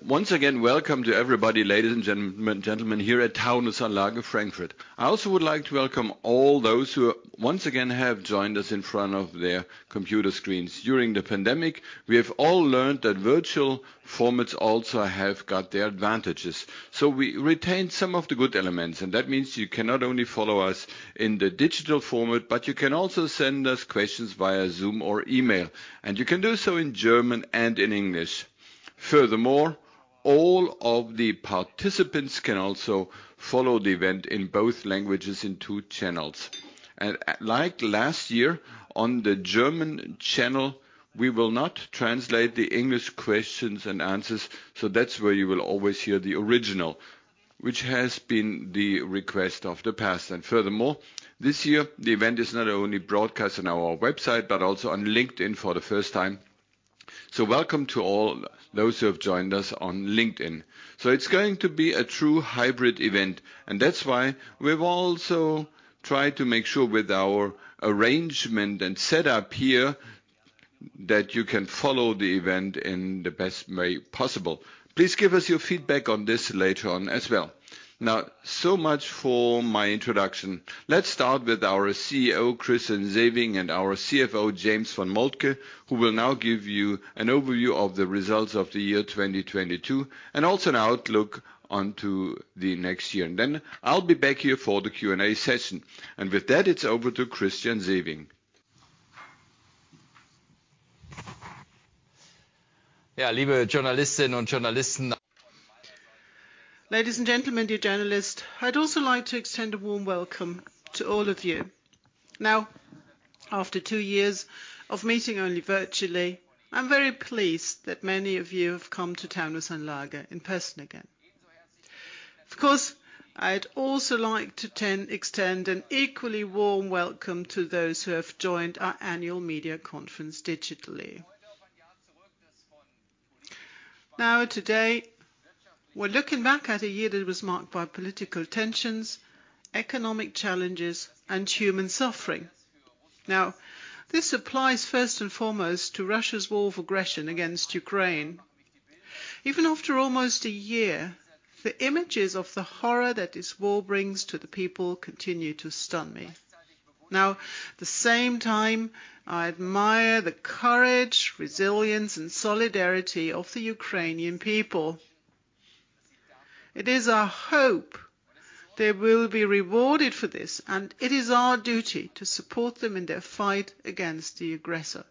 Once again, welcome to everybody, ladies and gentlemen, here at Taunusanlage, Frankfurt. I also would like to welcome all those who, once again, have joined us in front of their computer screens. During the pandemic, we have all learned that virtual formats also have got their advantages. We retained some of the good elements, and that means you can not only follow us in the digital format, but you can also send us questions via Zoom or email, and you can do so in German and in English. Furthermore, all of the participants can also follow the event in both languages in two channels. Like last year, on the German channel, we will not translate the English questions and answers, so that's where you will always hear the original, which has been the request of the past. Furthermore, this year the event is not only broadcast on our website, but also on LinkedIn for the first time. Welcome to all those who have joined us on LinkedIn. It's going to be a true hybrid event, and that's why we've also tried to make sure with our arrangement and setup here, that you can follow the event in the best way possible. Please give us your feedback on this later on as well. So much for my introduction. Let's start with our CEO, Christian Sewing, and our CFO, James von Moltke, who will now give you an overview of the results of the year 2022, and also an outlook onto the next year. Then I'll be back here for the Q&A session. With that, it's over to Christian Sewing. Ladies and gentlemen, dear journalists, I'd also like to extend a warm welcome to all of you. After two years of meeting only virtually, I'm very pleased that many of you have come to Taunusanlage in person again. Of course, I'd also like to extend an equally warm welcome to those who have joined our annual media conference digitally. Today we're looking back at a year that was marked by political tensions, economic challenges, and human suffering. This applies first and foremost to Russia's war of aggression against Ukraine. Even after almost one year, the images of the horror that this war brings to the people continue to stun me. The same time, I admire the courage, resilience, and solidarity of the Ukrainian people. It is our hope they will be rewarded for this, and it is our duty to support them in their fight against the aggressor.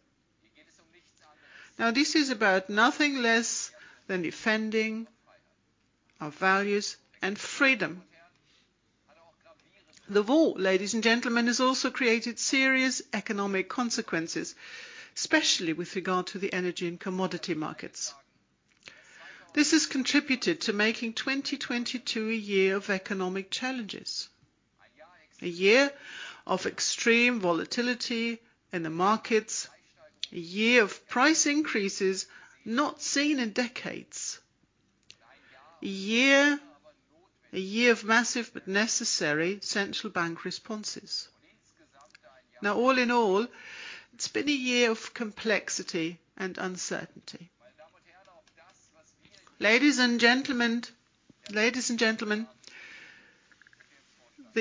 This is about nothing less than defending our values and freedom. The war, ladies and gentlemen, has also created serious economic consequences, especially with regard to the energy and commodity markets. This has contributed to making 2022 a year of economic challenges, a year of extreme volatility in the markets, a year of price increases not seen in decades, a year of massive but necessary central bank responses. All in all, it's been a year of complexity and uncertainty. Ladies and gentlemen, the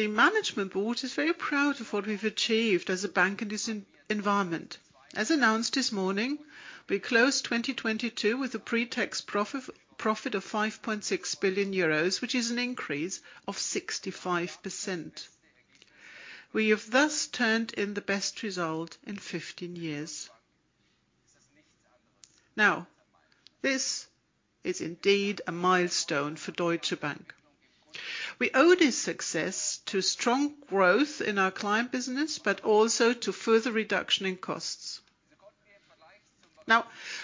management board is very proud of what we've achieved as a bank in this environment. As announced this morning, we closed 2022 with a pre-tax profit of 5.6 billion euros, which is an increase of 65%. We have thus turned in the best result in 15 years. This is indeed a milestone for Deutsche Bank. We owe this success to strong growth in our client business, but also to further reduction in costs.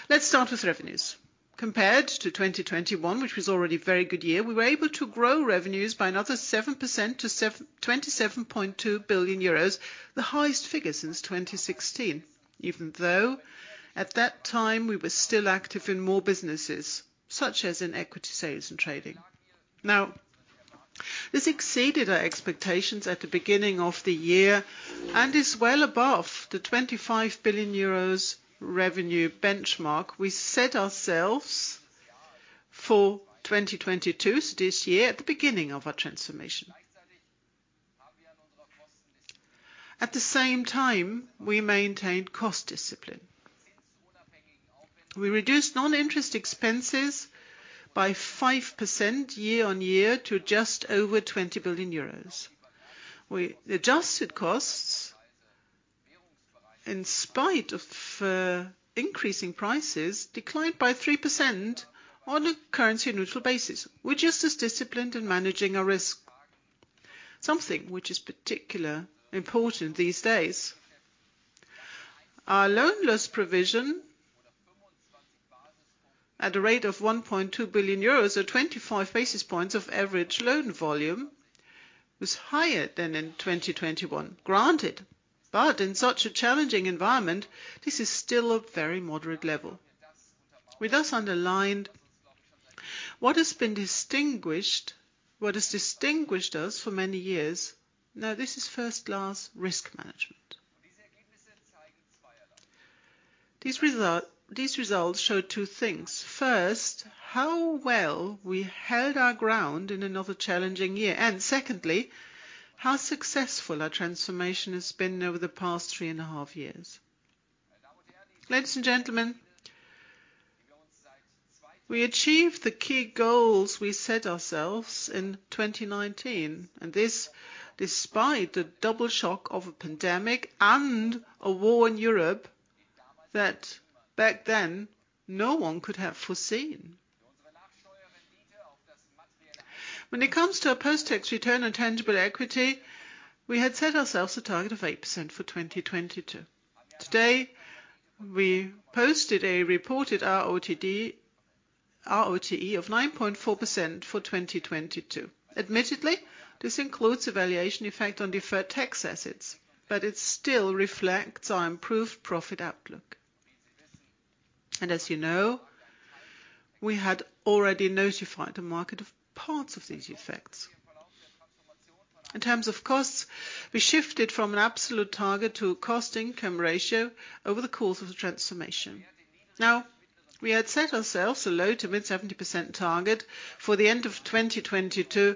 Let's start with revenues. Compared to 2021, which was already a very good year, we were able to grow revenues by another 7% to 27.2 billion euros, the highest figure since 2016, even though at that time we were still active in more businesses, such as in equity sales and trading. This exceeded our expectations at the beginning of the year and is well above the 25 billion euros revenue benchmark we set ourselves for 2022, so this year, at the beginning of our transformation. At the same time, we maintained cost discipline. We reduced non-interest expenses by 5% year-on-year to just over 20 billion euros. We adjusted costs. In spite of increasing prices declined by 3% on a currency neutral basis. We're just as disciplined in managing our risk, something which is particular important these days. Our loan loss provision at a rate of 1.2 billion euros or 25 basis points of average loan volume was higher than in 2021. Granted, in such a challenging environment, this is still a very moderate level. We thus underlined what has distinguished us for many years. Now this is first-class risk management. These results show two things. First, how well we held our ground in another challenging year. Secondly, how successful our transformation has been over the past 3.5 years. Ladies and gentlemen, we achieved the key goals we set ourselves in 2019, this despite the double shock of a pandemic and a war in Europe that back then no one could have foreseen. When it comes to our post-tax return on tangible equity, we had set ourselves a target of 8% for 2022. Today, we posted a reported RoTE of 9.4% for 2022. Admittedly, this includes a valuation effect on deferred tax assets, it still reflects our improved profit outlook. As you know, we had already notified the market of parts of these effects. In terms of costs, we shifted from an absolute target to a cost-income ratio over the course of the transformation. We had set ourselves a low to mid-70% target for the end of 2022,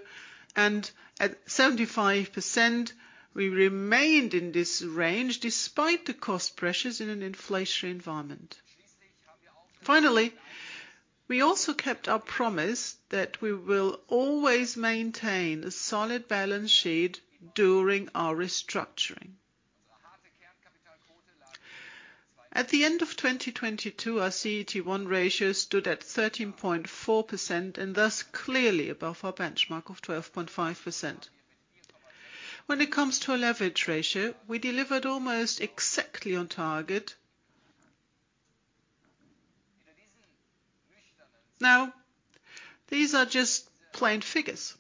and at 75%, we remained in this range despite the cost pressures in an inflationary environment. Finally, we also kept our promise that we will always maintain a solid balance sheet during our restructuring. At the end of 2022, our CET1 ratio stood at 13.4% and thus clearly above our benchmark of 12.5%. When it comes to our leverage ratio, we delivered almost exactly on target. These are just plain figures,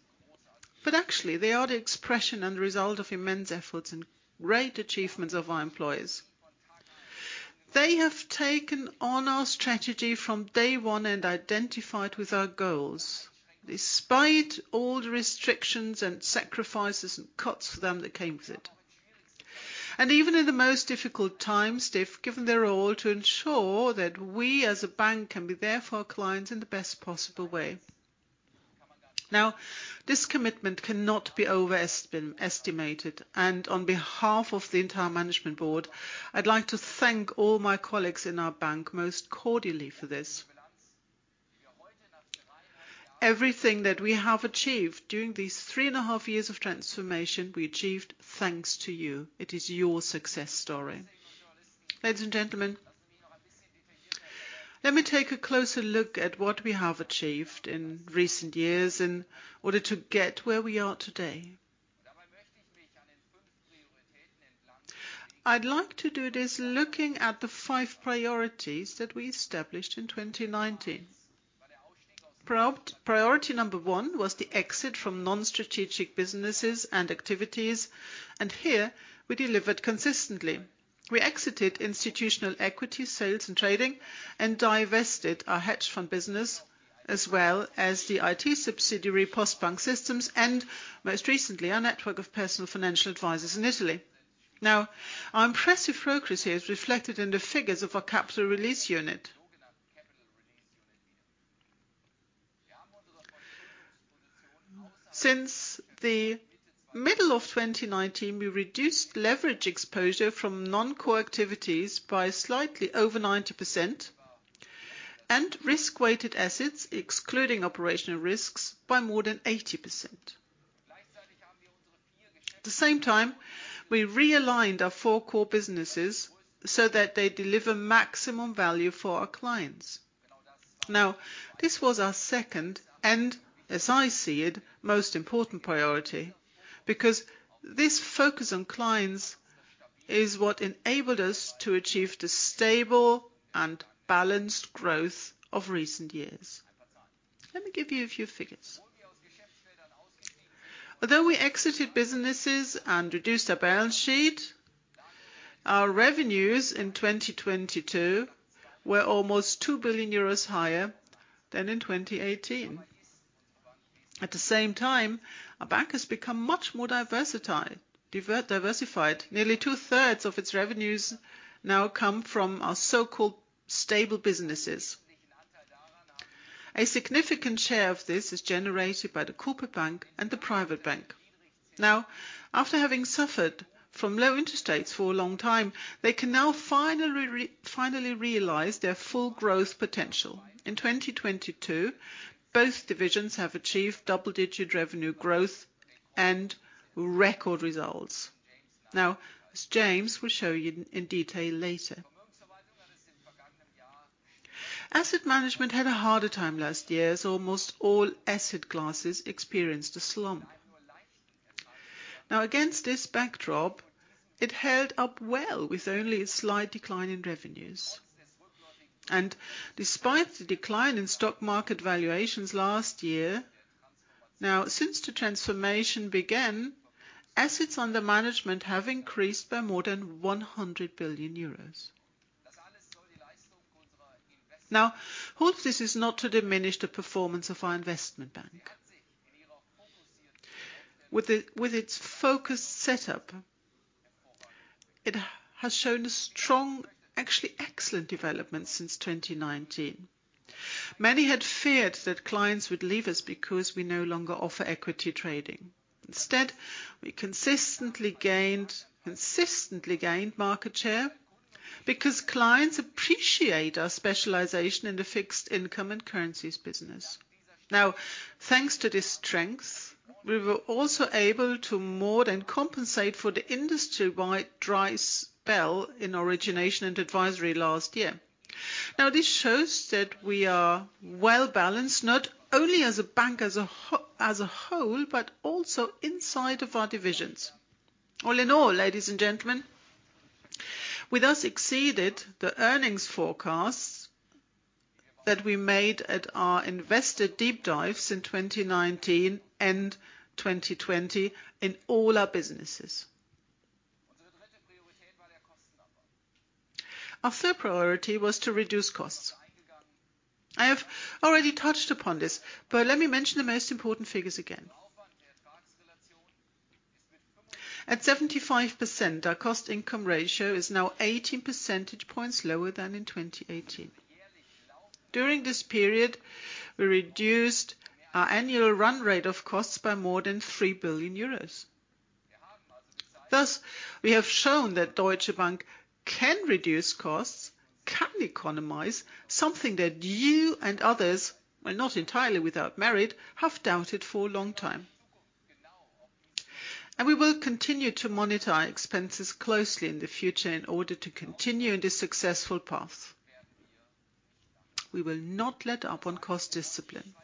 but actually, they are the expression and result of immense efforts and great achievements of our employees. They have taken on our strategy from day one and identified with our goals, despite all the restrictions and sacrifices and cuts for them that came with it. Even in the most difficult times, they've given their all to ensure that we as a bank can be there for our clients in the best possible way. This commitment cannot be overestimated, and on behalf of the entire management board, I'd like to thank all my colleagues in our bank most cordially for this. Everything that we have achieved during these 3.5 years of transformation, we achieved thanks to you. It is your success story. Ladies and gentlemen, let me take a closer look at what we have achieved in recent years in order to get where we are today. I'd like to do this looking at the five priorities that we established in 2019. Priority number one was the exit from non-strategic businesses and activities, and here we delivered consistently. We exited institutional equity sales and trading and divested our hedge fund business, as well as the IT subsidiary Postbank Systems and most recently, our network of personal financial advisors in Italy. Our impressive progress here is reflected in the figures of our Capital Release Unit. Since the middle of 2019, we reduced leverage exposure from non-core activities by slightly over 90% and Risk-weighted assets, excluding operational risks, by more than 80%. At the same time, we realigned our four core businesses so that they deliver maximum value for our clients. This was our second, and as I see it, most important priority, because this focus on clients is what enabled us to achieve the stable and balanced growth of recent years. Let me give you a few figures. Although we exited businesses and reduced our balance sheet, our revenues in 2022 were almost 2 billion euros higher than in 2018. At the same time, our bank has become much more diversified. Nearly two-thirds of its revenues now come from our so-called stable businesses. A significant share of this is generated by the Corporate Bank and the Private Bank. After having suffered from low interest rates for a long time, they can now finally realize their full growth potential. In 2022, both divisions have achieved double-digit revenue growth and record results. As James will show you in detail later. Asset management had a harder time last year, as almost all asset classes experienced a slump. Against this backdrop, it held up well with only a slight decline in revenues. Despite the decline in stock market valuations last year, since the transformation began, assets under management have increased by more than 100 billion euros. All this is not to diminish the performance of our Investment Bank. With its focus set up, it has shown a strong, actually excellent development since 2019. Many had feared that clients would leave us because we no longer offer equity trading. Instead, we consistently gained market share because clients appreciate our specialization in the Fixed Income & Currencies business. Thanks to this strength, we were also able to more than compensate for the industry-wide dry spell in Origination & Advisory last year. This shows that we are well-balanced, not only as a bank as a whole, but also inside of our divisions. All in all, ladies and gentlemen, we thus exceeded the earnings forecasts that we made at our Investor Deep Dives in 2019 and 2020 in all our businesses. Our third priority was to reduce costs. Let me mention the most important figures again. At 75%, our cost-income ratio is now 18 percentage points lower than in 2018. During this period, we reduced our annual run rate of costs by more than 3 billion euros. Thus, we have shown that Deutsche Bank can reduce costs, can economize, something that you and others, while not entirely without merit, have doubted for a long time. We will continue to monitor our expenses closely in the future in order to continue on this successful path. We will not let up on cost discipline.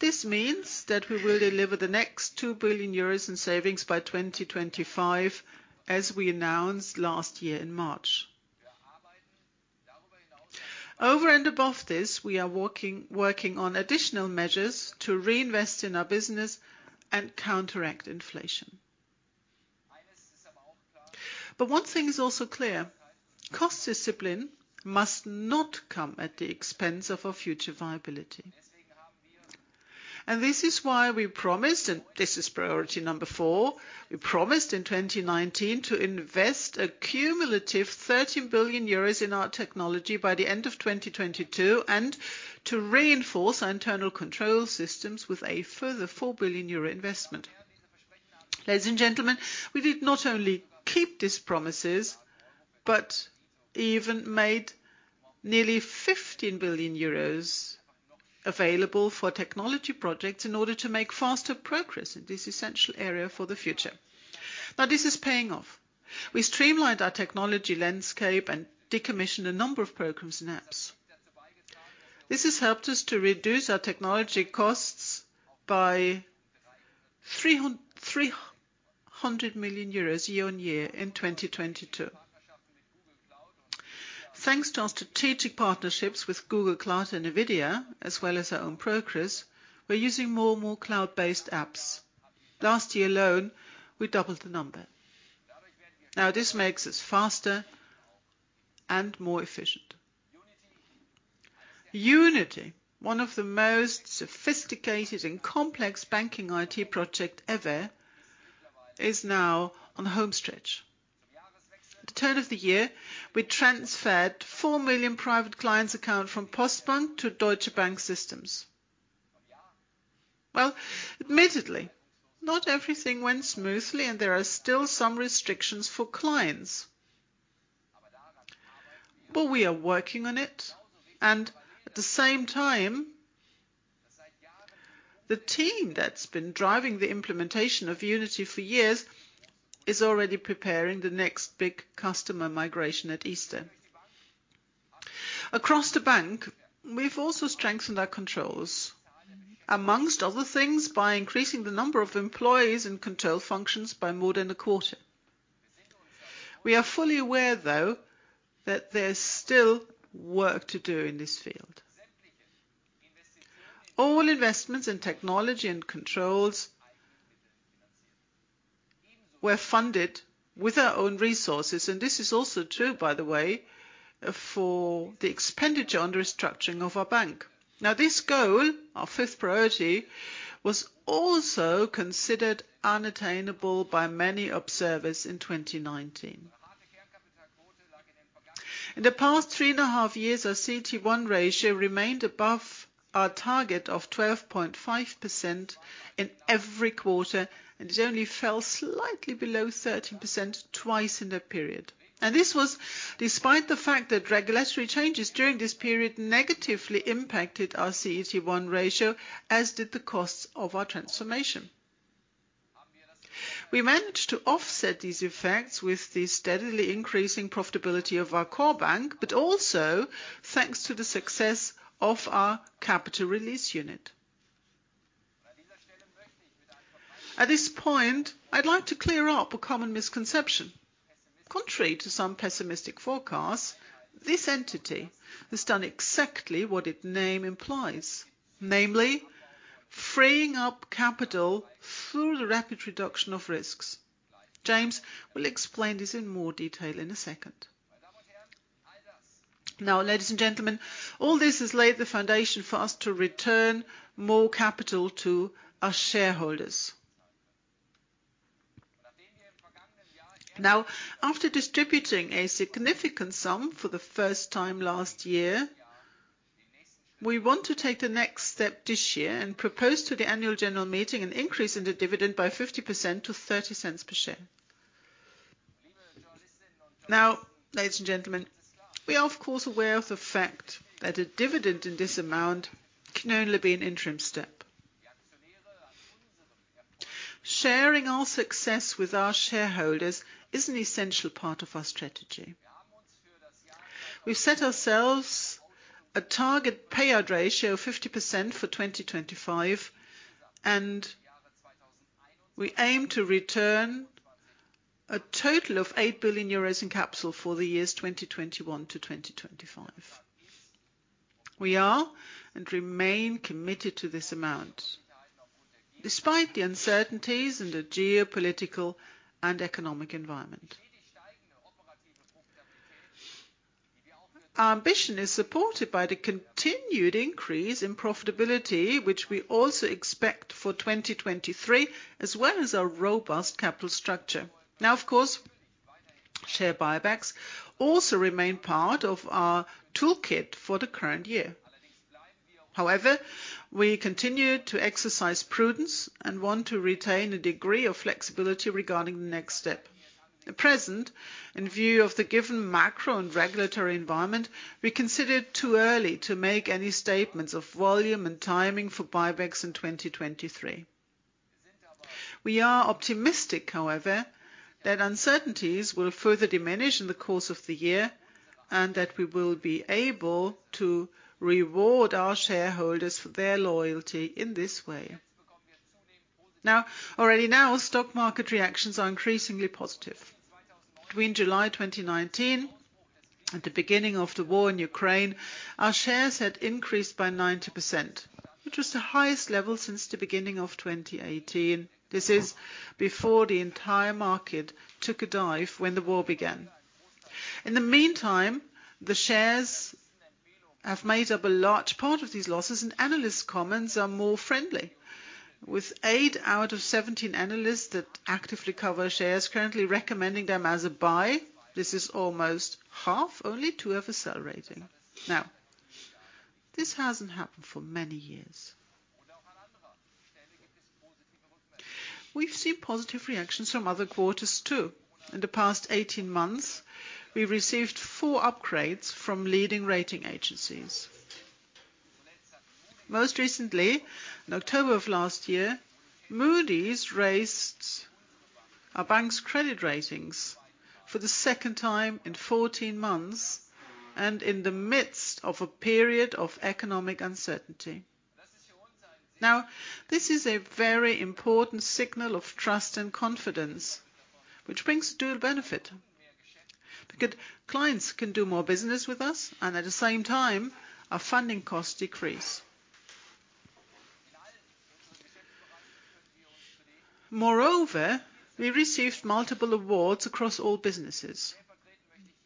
This means that we will deliver the next 2 billion euros in savings by 2025, as we announced last year in March. Over and above this, we are working on additional measures to reinvest in our business and counteract inflation. One thing is also clear. Cost discipline must not come at the expense of our future viability. This is why we promised, and this is priority number four, we promised in 2019 to invest a cumulative 13 billion euros in our technology by the end of 2022, and to reinforce our internal control systems with a further 4 billion euro investment. Ladies and gentlemen, we did not only keep these promises, but even made nearly 15 billion euros available for technology projects in order to make faster progress in this essential area for the future. Now, this is paying off. We streamlined our technology landscape and decommissioned a number of programs and apps. This has helped us to reduce our technology costs by 300 million euros year on year in 2022. Thanks to our strategic partnerships with Google Cloud and NVIDIA, as well as our own progress, we're using more and more cloud-based apps. Last year alone, we doubled the number. Now this makes us faster and more efficient. Unity, one of the most sophisticated and complex banking IT project ever, is now on the home stretch. At the turn of the year, we transferred 4 million private clients account from Postbank to Deutsche Bank systems. Well, admittedly, not everything went smoothly, and there are still some restrictions for clients. We are working on it, and at the same time, the team that's been driving the implementation of Unity for years is already preparing the next big customer migration at Easter. Across the bank, we've also strengthened our controls, among other things, by increasing the number of employees in control functions by more than a quarter. We are fully aware, though, that there's still work to do in this field. All investments in technology and controls were funded with our own resources, and this is also true, by the way, for the expenditure on the restructuring of our bank. This goal, our fifth priority, was also considered unattainable by many observers in 2019. In the past 3.5 years, our CET1 ratio remained above our target of 12.5% in every quarter, and it only fell slightly below 13% twice in the period. This was despite the fact that regulatory changes during this period negatively impacted our CET1 ratio, as did the costs of our transformation. We managed to offset these effects with the steadily increasing profitability of our core bank, but also thanks to the success of our Capital Release Unit. At this point, I'd like to clear up a common misconception. Contrary to some pessimistic forecasts, this entity has done exactly what its name implies. Namely, freeing up capital through the rapid reduction of risks. James will explain this in more detail in a second. Now, ladies and gentlemen, all this has laid the foundation for us to return more capital to our shareholders. After distributing a significant sum for the first time last year, we want to take the next step this year and propose to the annual general meeting an increase in the dividend by 50% to 0.30 per share. Ladies and gentlemen, we are of course aware of the fact that a dividend in this amount can only be an interim step. Sharing our success with our shareholders is an essential part of our strategy. We've set ourselves a target payout ratio of 50% for 2025, and we aim to return a total of 8 billion euros in capital for the years 2021-2025. We are and remain committed to this amount, despite the uncertainties in the geopolitical and economic environment. Our ambition is supported by the continued increase in profitability, which we also expect for 2023, as well as our robust capital structure. Of course, share buybacks also remain part of our toolkit for the current year. We continue to exercise prudence and want to retain a degree of flexibility regarding the next step. At present, in view of the given macro and regulatory environment, we consider it too early to make any statements of volume and timing for buybacks in 2023. We are optimistic, however, that uncertainties will further diminish in the course of the year and that we will be able to reward our shareholders for their loyalty in this way. Already now, stock market reactions are increasingly positive. Between July 2019 and the beginning of the war in Ukraine, our shares had increased by 90%, which was the highest level since the beginning of 2018. This is before the entire market took a dive when the war began. In the meantime, the shares have made up a large part of these losses, and analysts comments are more friendly. With eight out of 17 analysts that actively cover shares currently recommending them as a buy. This is almost half. Only two have a sell rating. This hasn't happened for many years. We've seen positive reactions from other quarters, too. In the past 18 months, we've received four upgrades from leading rating agencies. Most recently, in October of last year, Moody's raised our bank's credit ratings for the second time in 14 months and in the midst of a period of economic uncertainty. This is a very important signal of trust and confidence, which brings a dual benefit. Clients can do more business with us and at the same time, our funding costs decrease. We received multiple awards across all businesses.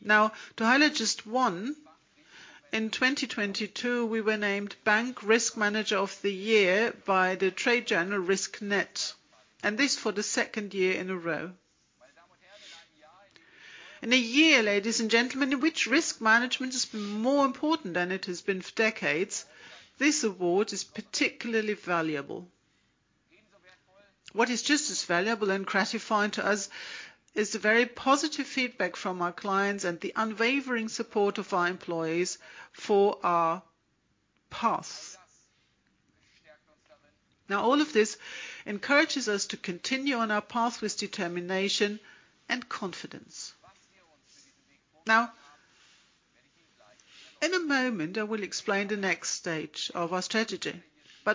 To highlight just one, in 2022, we were named Bank Risk Manager of the Year by the trade journal Risk.net, and this for the second year in a row. In a year, ladies and gentlemen, in which risk management has been more important than it has been for decades, this award is particularly valuable. What is just as valuable and gratifying to us is the very positive feedback from our clients and the unwavering support of our employees for our paths. All of this encourages us to continue on our path with determination and confidence. In a moment, I will explain the next stage of our strategy.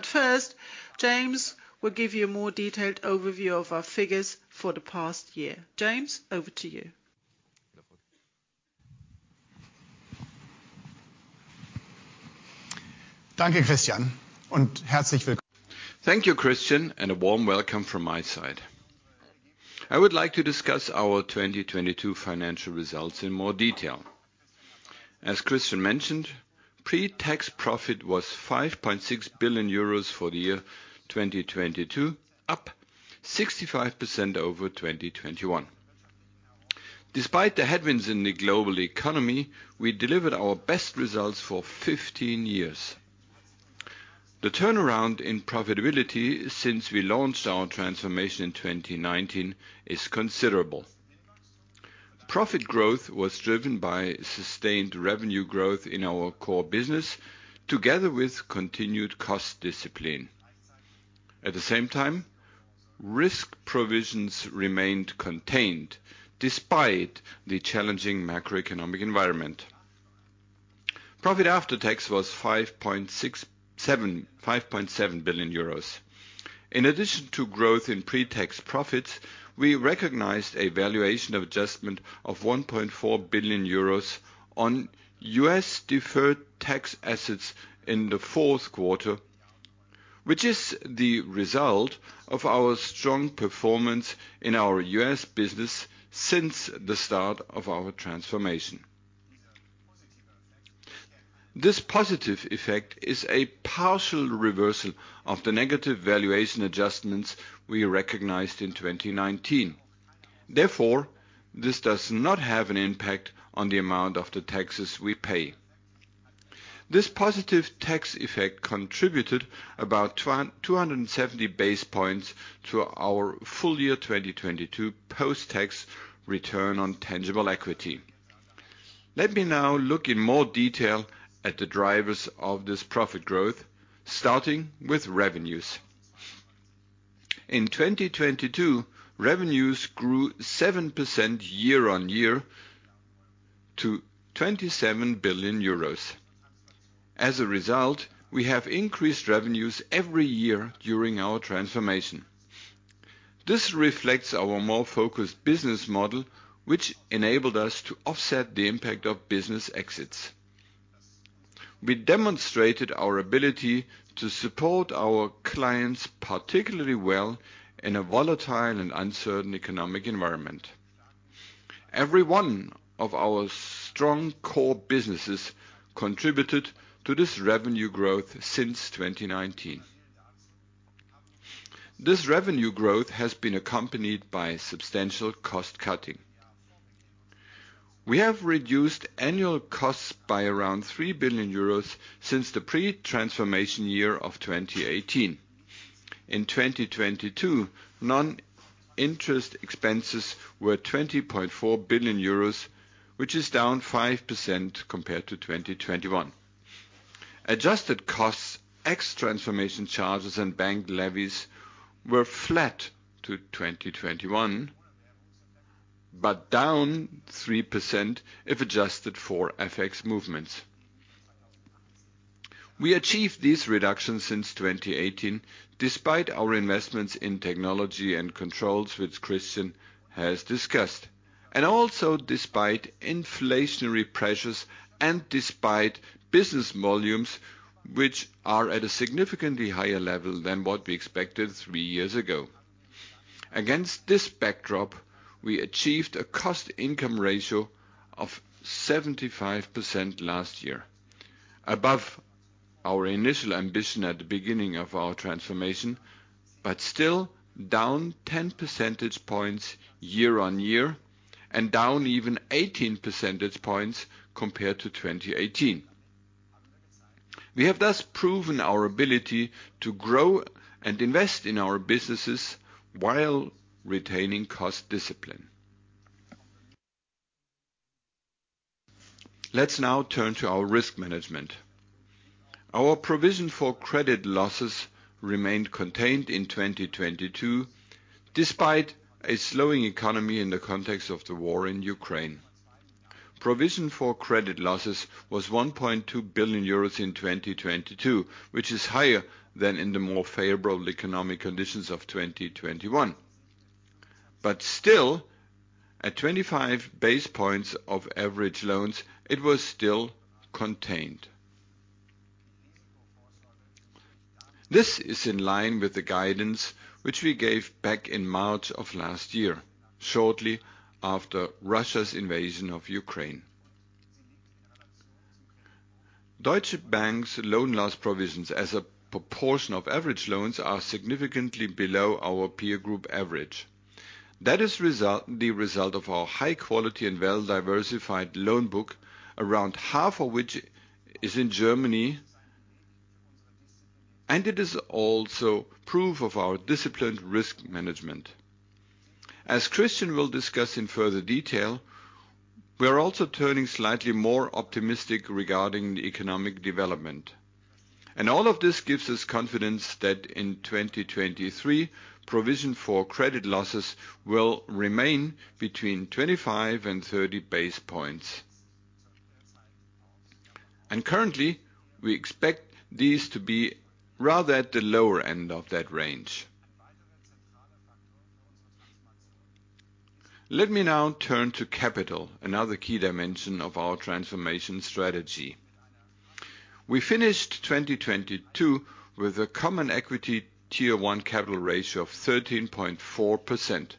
First, James will give you a more detailed overview of our figures for the past year. James, over to you. Thank you, Christian. A warm welcome from my side. I would like to discuss our 2022 financial results in more detail. As Christian mentioned, pre-tax profit was 5.6 billion euros for the year 2022, up 65% over 2021. Despite the headwinds in the global economy, we delivesred our best results for 15 years. The turnaround in profitability since we launched our transformation in 2019 is considerable. Profit growth was driven by sustained revenue growth in our core business together with continued cost discipline. The same time, risk provisions remained contained despite the challenging macroeconomic environment. Profit after tax was 5.7 billion euros. In addition to growth in pre-tax profits, we recognized a valuation adjustment of 1.4 billion euros on U.S. deferred tax assets in the fourth quarter, which is the result of our strong performance in our U.S. business since the start of our transformation. This positive effect is a partial reversal of the negative valuation adjustments we recognized in 2019. This does not have an impact on the amount of the taxes we pay. This positive tax effect contributed about 270 basis points to our full year 2022 post-tax return on tangible equity. Let me now look in more detail at the drivers of this profit growth, starting with revenues. In 2022, revenues grew 7% year-over-year to 27 billion euros. We have increased revenues every year during our transformation. This reflects our more focused business model, which enabled us to offset the impact of business exits. We demonstrated our ability to support our clients particularly well in a volatile and uncertain economic environment. Every one of our strong core businesses contributed to this revenue growth since 2019. This revenue growth has been accompanied by substantial cost cutting. We have reduced annual costs by around 3 billion euros since the pre-transformation year of 2018. In 2022, non-interest expenses were 20.4 billion euros, which is down 5% compared to 2021. Adjusted costs, ex transformation charges and bank levies were flat to 2021, but down 3% if adjusted for FX movements. We achieved these reductions since 2018 despite our investments in technology and controls, which Christian has discussed, also despite inflationary pressures and despite business volumes which are at a significantly higher level than what we expected three years ago. Against this backdrop, we achieved a cost-income ratio of 75% last year. Above our initial ambition at the beginning of our transformation, still down 10 percentage points year-on-year and down even 18 percentage points compared to 2018. We have thus proven our ability to grow and invest in our businesses while retaining cost discipline. Let's now turn to our risk management. Our provision for credit losses remained contained in 2022 despite a slowing economy in the context of the war in Ukraine. Provision for credit losses was 1.2 billion euros in 2022, which is higher than in the more favorable economic conditions of 2021. Still, at 25 basis points of average loans, it was still contained. This is in line with the guidance which we gave back in March of last year, shortly after Russia's invasion of Ukraine. Deutsche Bank's loan loss provisions as a proportion of average loans are significantly below our peer group average. That is the result of our high quality and well-diversified loan book, around half of which is in Germany, and it is also proof of our disciplined risk management. As Christian will discuss in further detail, we are also turning slightly more optimistic regarding the economic development. All of this gives us confidence that in 2023, provision for credit losses will remain between 25 basis points and 30 basis points. Currently, we expect these to be rather at the lower end of that range. Let me now turn to capital, another key dimension of our transformation strategy. We finished 2022 with a Common Equity Tier 1 capital ratio of 13.4%,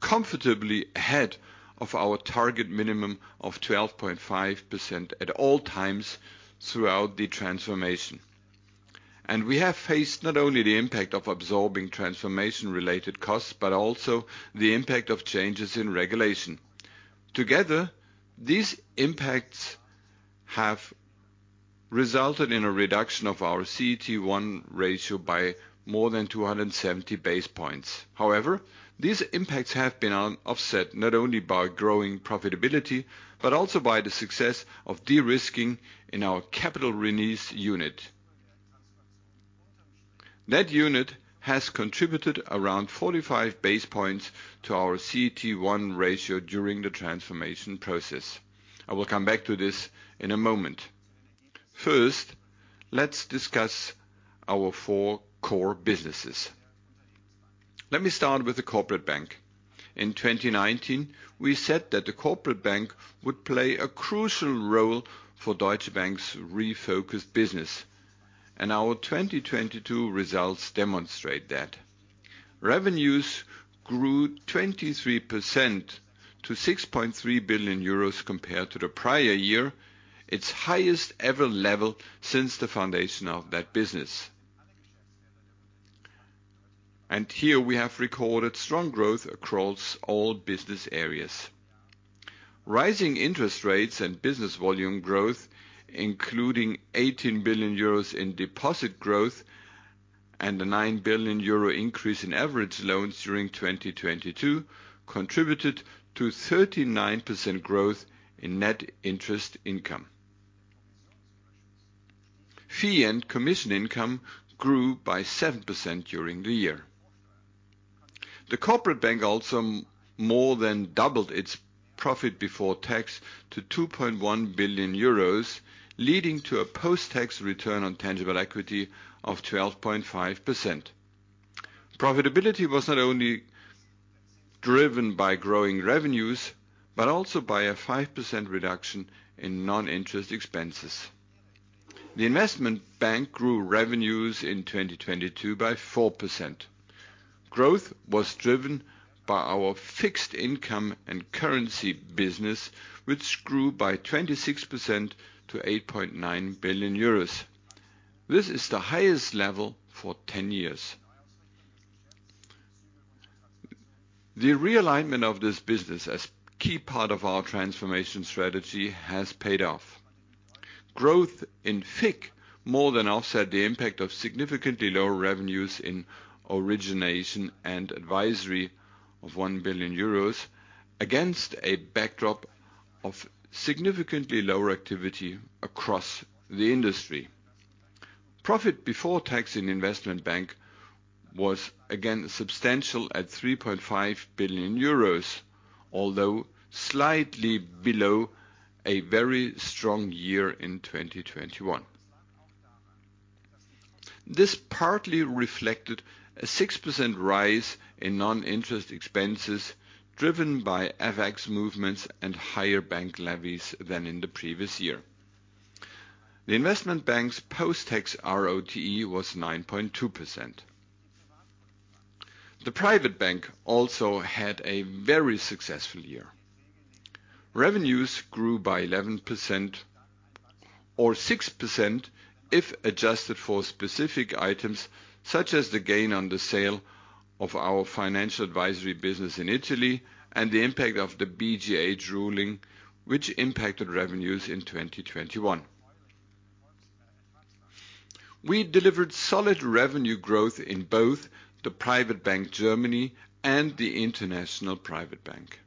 comfortably ahead of our target minimum of 12.5% at all times throughout the transformation. We have faced not only the impact of absorbing transformation-related costs, but also the impact of changes in regulation. Together, these impacts have resulted in a reduction of our CET1 ratio by more than 270 basis points. However, these impacts have been offset not only by growing profitability, but also by the success of de-risking in our Capital Release Unit. That unit has contributed around 45 basis points to our CET1 ratio during the transformation process. I will come back to this in a moment. First, let's discuss our four core businesses. Let me start with the Corporate Bank. In 2019, we said that the Corporate Bank would play a crucial role for Deutsche Bank's refocused business. Our 2022 results demonstrate that. Revenues grew 23% to 6.3 billion euros compared to the prior year, its highest ever level since the foundation of that business. Here we have recorded strong growth across all business areas. Rising interest rates and business volume growth, including 18 billion euros in deposit growth and a 9 billion euro increase in average loans during 2022 contributed to 39% growth in net interest income. Fee and commission income grew by 7% during the year. The Corporate Bank also more than doubled its profit before tax to 2.1 billion euros, leading to a post-tax return on tangible equity of 12.5%. Profitability was not only driven by growing revenues, but also by a 5% reduction in non-interest expenses. The Investment Bank grew revenues in 2022 by 4%. Growth was driven by our Fixed Income and Currencies business, which grew by 26% to 8.9 billion euros. This is the highest level for 10 years. The realignment of this business as key part of our transformation strategy has paid off. Growth in FIC more than offset the impact of significantly lower revenues in Origination and Advisory of 1 billion euros against a backdrop of significantly lower activity across the industry. Profit before tax in Investment Bank was again substantial at 3.5 billion euros, although slightly below a very strong year in 2021. This partly reflected a 6% rise in non-interest expenses driven by FX movements and higher bank levies than in the previous year. The Investment Bank's post-tax RoTE was 9.2%. The Private Bank also had a very successful year. Revenues grew by 11% or 6% if adjusted for specific items, such as the gain on the sale of our financial advisory business in Italy and the impact of the BGH ruling, which impacted revenues in 2021. We delivered solid revenue growth in both the Private Bank Germany and the International Private Bank.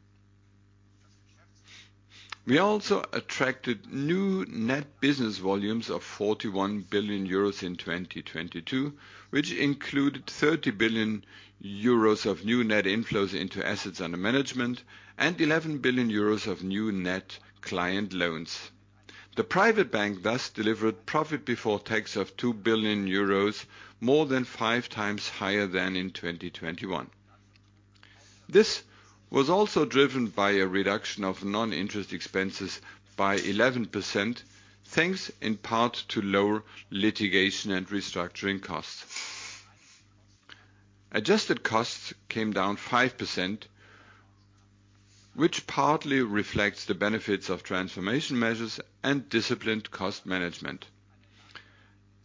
We also attracted new net business volumes of 41 billion euros in 2022, which included 30 billion euros of new net inflows into assets under management and 11 billion euros of new net client loans. The Private Bank thus delivered profit before tax of 2 billion euros, more than five times higher than in 2021. This was also driven by a reduction of non-interest expenses by 11%, thanks in part to lower litigation and restructuring costs. Adjusted costs came down 5%, which partly reflects the benefits of transformation measures and disciplined cost management.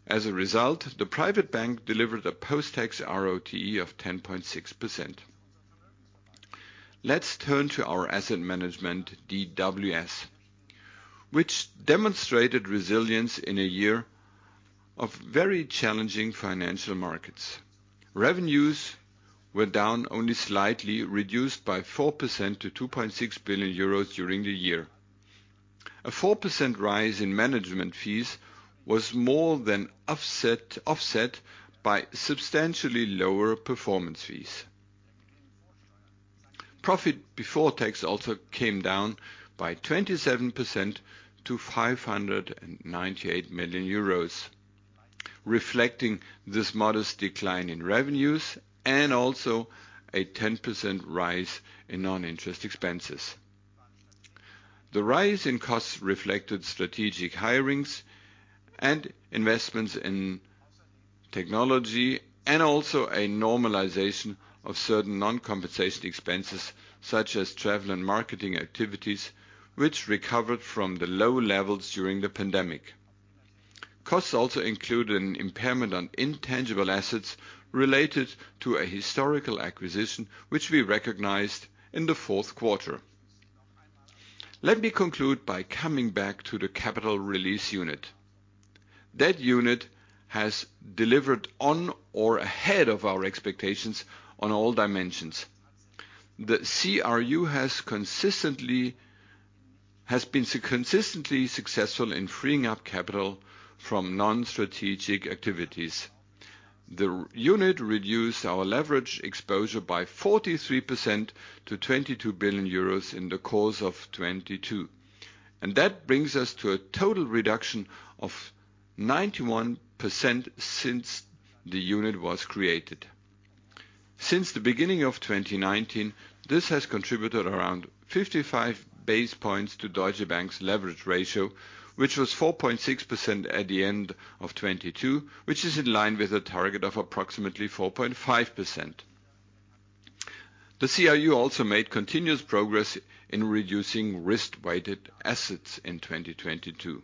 As a result, the Private Bank delivered a post-tax RoTE of 10.6%. Let's turn to our asset management, DWS, which demonstrated resilience in a year of very challenging financial markets. Revenues were down only slightly, reduced by 4% to 2.6 billion euros during the year. A 4% rise in management fees was more than offset by substantially lower performance fees. Profit before tax also came down by 27% to 598 million euros, reflecting this modest decline in revenues and also a 10% rise in non-interest expenses. The rise in costs reflected strategic hirings and investments in technology and also a normalization of certain non-compensation expenses such as travel and marketing activities, which recovered from the low levels during the pandemic. Costs also include an impairment on intangible assets related to a historical acquisition, which we recognized in the fourth quarter. Let me conclude by coming back to the Capital Release Unit. That unit has delivered on or ahead of our expectations on all dimensions. The CRU has been consistently successful in freeing up capital from non-strategic activities. The unit reduced our leverage exposure by 43% to 22 billion euros in the course of 2022. That brings us to a total reduction of 91% since the unit was created. Since the beginning of 2019, this has contributed around 55 basis points to Deutsche Bank's leverage ratio, which was 4.6% at the end of 2022, which is in line with a target of approximately 4.5%. The CRU also made continuous progress in reducing risk-weighted assets in 2022.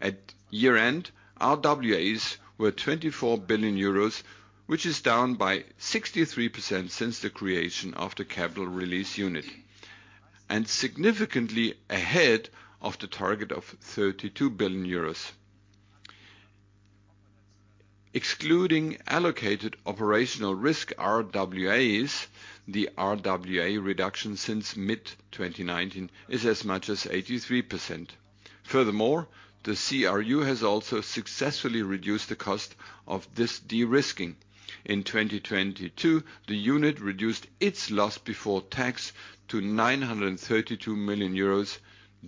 At year-end, RWAs were 24 billion euros, which is down by 63% since the creation of the Capital Release Unit, and significantly ahead of the target of 32 billion euros. Excluding allocated operational risk RWAs, the RWA reduction since mid-2019 is as much as 83%. Furthermore, the CRU has also successfully reduced the cost of this de-risking. In 2022, the unit reduced its loss before tax to 932 million euros,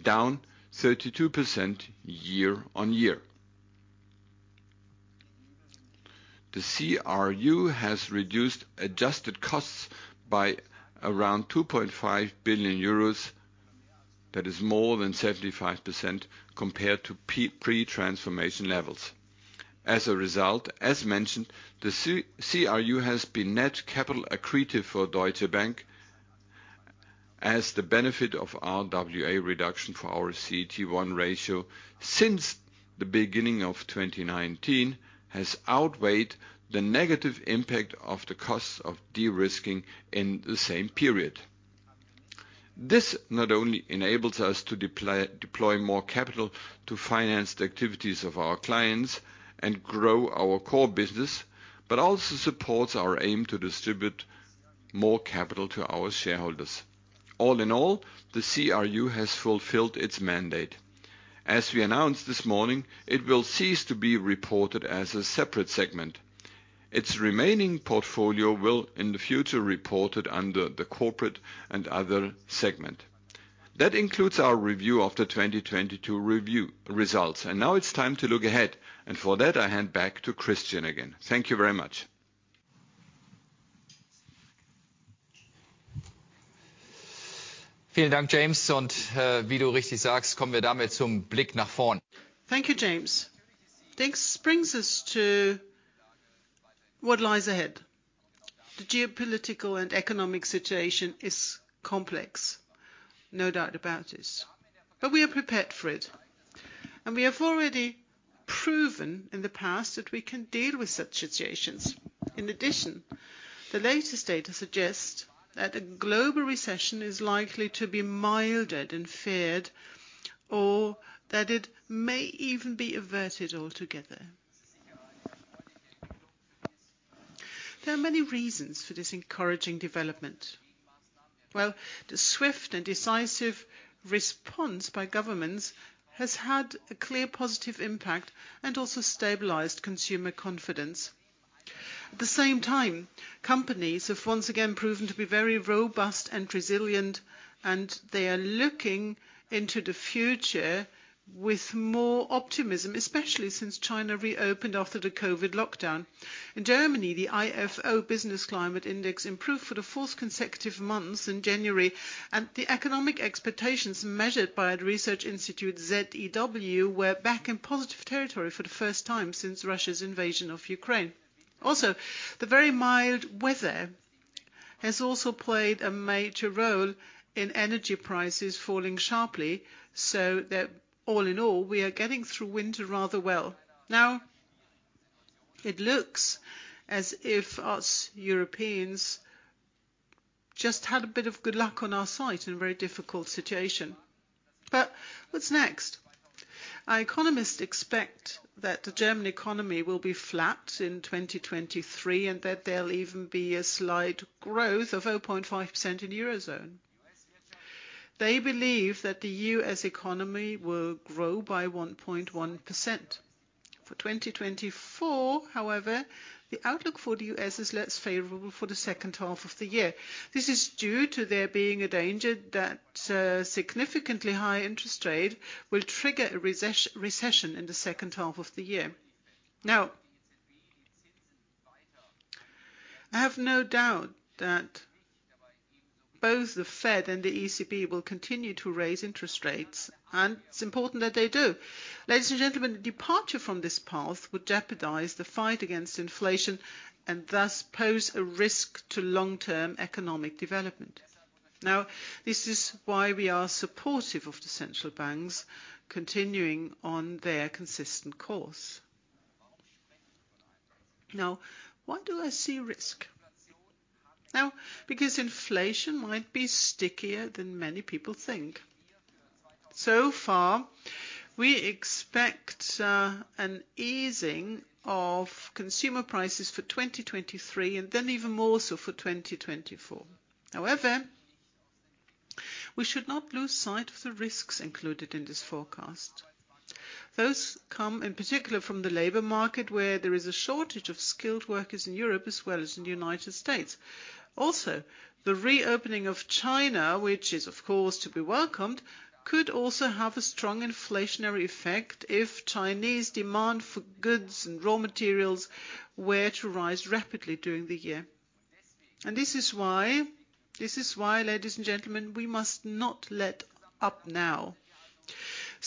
down 32% year-on-year. The CRU has reduced adjusted costs by around 2.5 billion euros. That is more than 75% compared to pre-transformation levels. As mentioned, the CRU has been net capital accretive for Deutsche Bank as the benefit of RWA reduction for our CET1 ratio since the beginning of 2019 has outweighed the negative impact of the costs of de-risking in the same period. This not only enables us to deploy more capital to finance the activities of our clients and grow our core business, but also supports our aim to distribute more capital to our shareholders. The CRU has fulfilled its mandate. As we announced this morning, it will cease to be reported as a separate segment. Its remaining portfolio will in the future reported under the Corporate & Other segment. That includes our review of the 2022 review results. Now it's time to look ahead. For that, I hand back to Christian again. Thank you very much. Thank you, James. This brings us to what lies ahead. The geopolitical and economic situation is complex, no doubt about it, but we are prepared for it. We have already proven in the past that we can deal with such situations. In addition, the latest data suggests that a global recession is likely to be milder than feared, or that it may even be averted altogether. There are many reasons for this encouraging development. Well, the swift and decisive response by governments has had a clear positive impact and also stabilized consumer confidence. At the same time, companies have once again proven to be very robust and resilient, and they are looking into the future with more optimism, especially since China reopened after the COVID lockdown. In Germany, the Ifo Business Climate Index improved for the fourth consecutive months in January. The economic expectations measured by the research institute ZEW were back in positive territory for the first time since Russia's invasion of Ukraine. The very mild weather has also played a major role in energy prices falling sharply, so that all in all, we are getting through winter rather well. It looks as if us Europeans just had a bit of good luck on our side in a very difficult situation. What's next? Our economists expect that the German economy will be flat in 2023, and that there'll even be a slight growth of 0.5% in Eurozone. They believe that the US economy will grow by 1.1%. For 2024, however, the outlook for the U.S. is less favorable for the second half of the year. This is due to there being a danger that significantly high interest rate will trigger a recession in the second half of the year. I have no doubt that both the Fed and the ECB will continue to raise interest rates, and it's important that they do. Ladies and gentlemen, departure from this path would jeopardize the fight against inflation and thus pose a risk to long-term economic development. This is why we are supportive of the central banks continuing on their consistent course. Why do I see risk? Because inflation might be stickier than many people think. We expect an easing of consumer prices for 2023 and then even more so for 2024. We should not lose sight of the risks included in this forecast. Those come in particular from the labor market, where there is a shortage of skilled workers in Europe as well as in the U.S. The reopening of China, which is of course to be welcomed, could also have a strong inflationary effect if Chinese demand for goods and raw materials were to rise rapidly during the year. This is why, ladies and gentlemen, we must not let up now.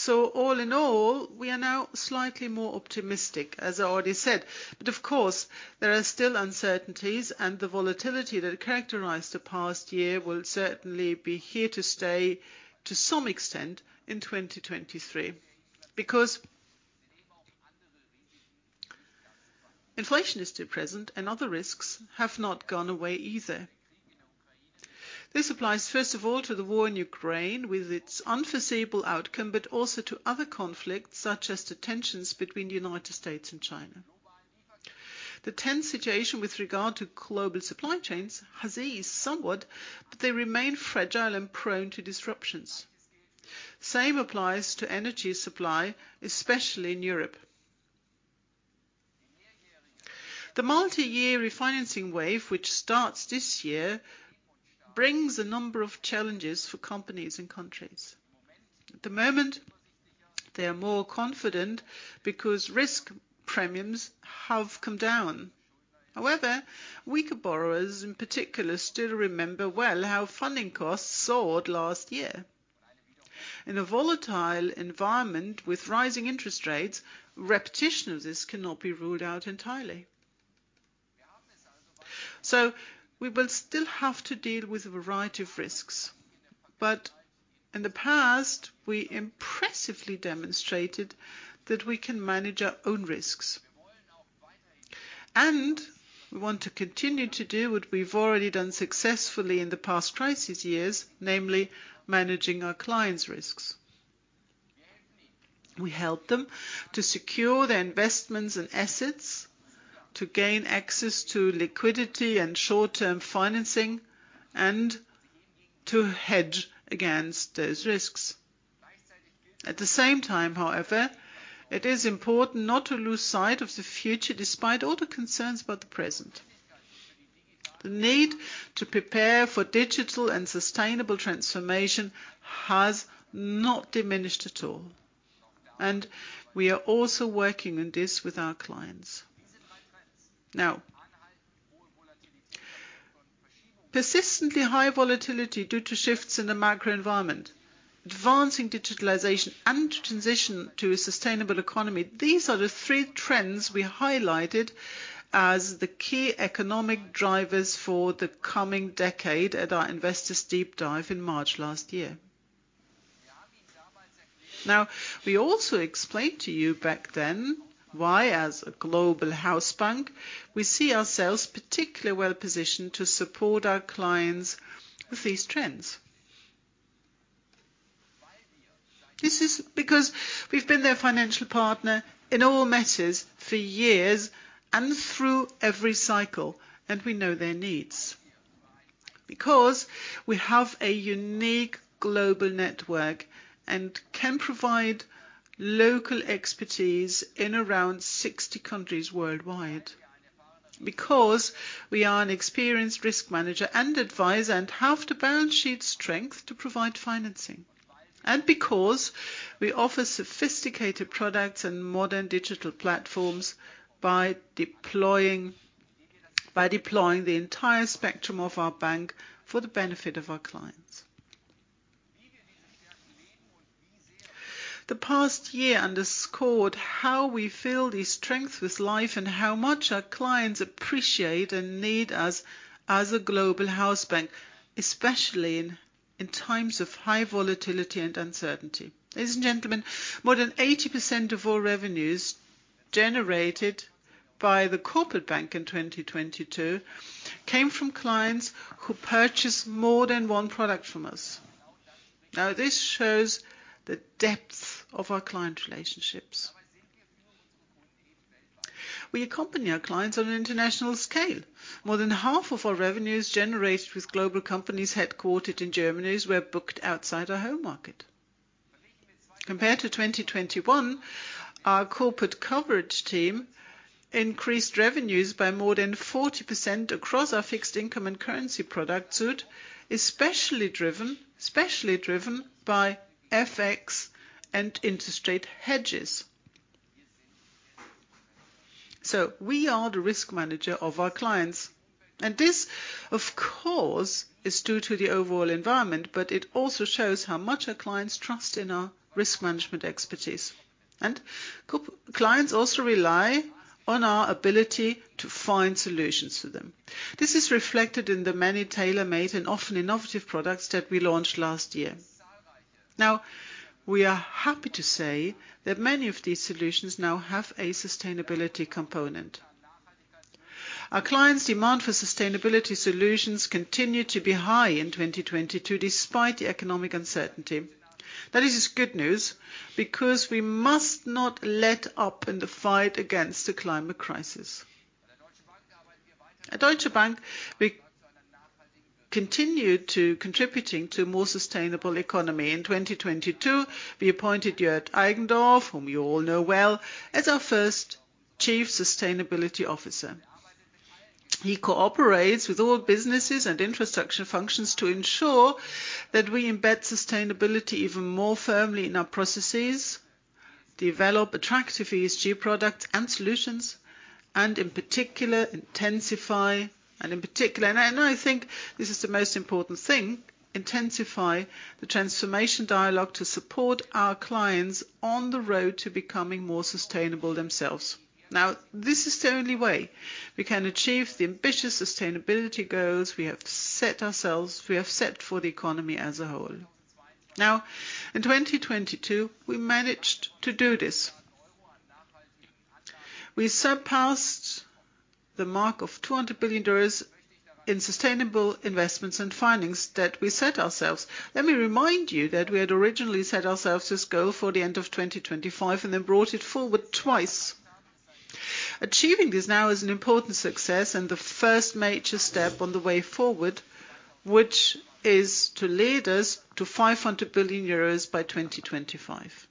All in all, we are now slightly more optimistic, as I already said. Of course, there are still uncertainties, and the volatility that characterized the past year will certainly be here to stay to some extent in 2023. Inflation is still present and other risks have not gone away either. This applies first of all to the war in Ukraine, with its unforeseeable outcome, but also to other conflicts, such as the tensions between the United States and China. The tense situation with regard to global supply chains has eased somewhat, but they remain fragile and prone to disruptions. Same applies to energy supply, especially in Europe. The multi-year refinancing wave, which starts this year, brings a number of challenges for companies and countries. At the moment, they are more confident because risk premiums have come down. However, weaker borrowers in particular still remember well how funding costs soared last year. In a volatile environment with rising interest rates, repetition of this cannot be ruled out entirely. We will still have to deal with a variety of risks. In the past, we impressively demonstrated that we can manage our own risks. We want to continue to do what we've already done successfully in the past crisis years, namely managing our clients' risks. We help them to secure their investments and assets, to gain access to liquidity and short-term financing, and to hedge against those risks. At the same time, however, it is important not to lose sight of the future despite all the concerns about the present. The need to prepare for digital and sustainable transformation has not diminished at all, and we are also working on this with our clients. Now, persistently high volatility due to shifts in the macro environment, advancing digitalization and transition to a sustainable economy, these are the three trends we highlighted as the key economic drivers for the coming decade at our Investor Deep Dive in March last year. We also explained to you back then why, as a global house bank, we see ourselves particularly well positioned to support our clients with these trends. This is because we've been their financial partner in all matters for years and through every cycle, and we know their needs. We have a unique global network and can provide local expertise in around 60 countries worldwide. We are an experienced risk manager and advisor and have the balance sheet strength to provide financing. We offer sophisticated products and modern digital platforms by deploying the entire spectrum of our bank for the benefit of our clients. The past year underscored how we fill these strengths with life and how much our clients appreciate and need us as a global house bank, especially in times of high volatility and uncertainty. Ladies and gentlemen, more than 80% of all revenues generated by the Corporate Bank in 2022 came from clients who purchased more than one product from us. This shows the depth of our client relationships. We accompany our clients on an international scale. More than half of our revenues generated with global companies headquartered in Germany were booked outside our home market. Compared to 2021, our corporate coverage team increased revenues by more than 40% across our Fixed Income & Currencies product suite, especially driven by FX and interest rate hedges. We are the risk manager of our clients, and this of course is due to the overall environment, but it also shows how much our clients trust in our risk management expertise. Clients also rely on our ability to find solutions for them. This is reflected in the many tailor-made and often innovative products that we launched last year. Now we are happy to say that many of these solutions now have a sustainability component. Our clients demand for sustainability solutions continue to be high in 2022, despite the economic uncertainty. That is good news because we must not let up in the fight against the climate crisis. At Deutsche Bank, we continue to contributing to more sustainable economy. In 2022, we appointed Jörg Eigendorf, whom you all know well, as our first Chief Sustainability Officer. He cooperates with all businesses and infrastructure functions to ensure that we embed sustainability even more firmly in our processes, develop attractive ESG products and solutions, and in particular, I think this is the most important thing, intensify the transformation dialogue to support our clients on the road to becoming more sustainable themselves. This is the only way we can achieve the ambitious sustainability goals we have set for the economy as a whole. In 2022, we managed to do this. We surpassed the mark of $200 billion in sustainable investments and findings that we set ourselves. Let me remind you that we had originally set ourselves this goal for the end of 2025 and then brought it forward twice. Achieving this now is an important success and the first major step on the way forward, which is to lead us to 500 billion euros by 2025.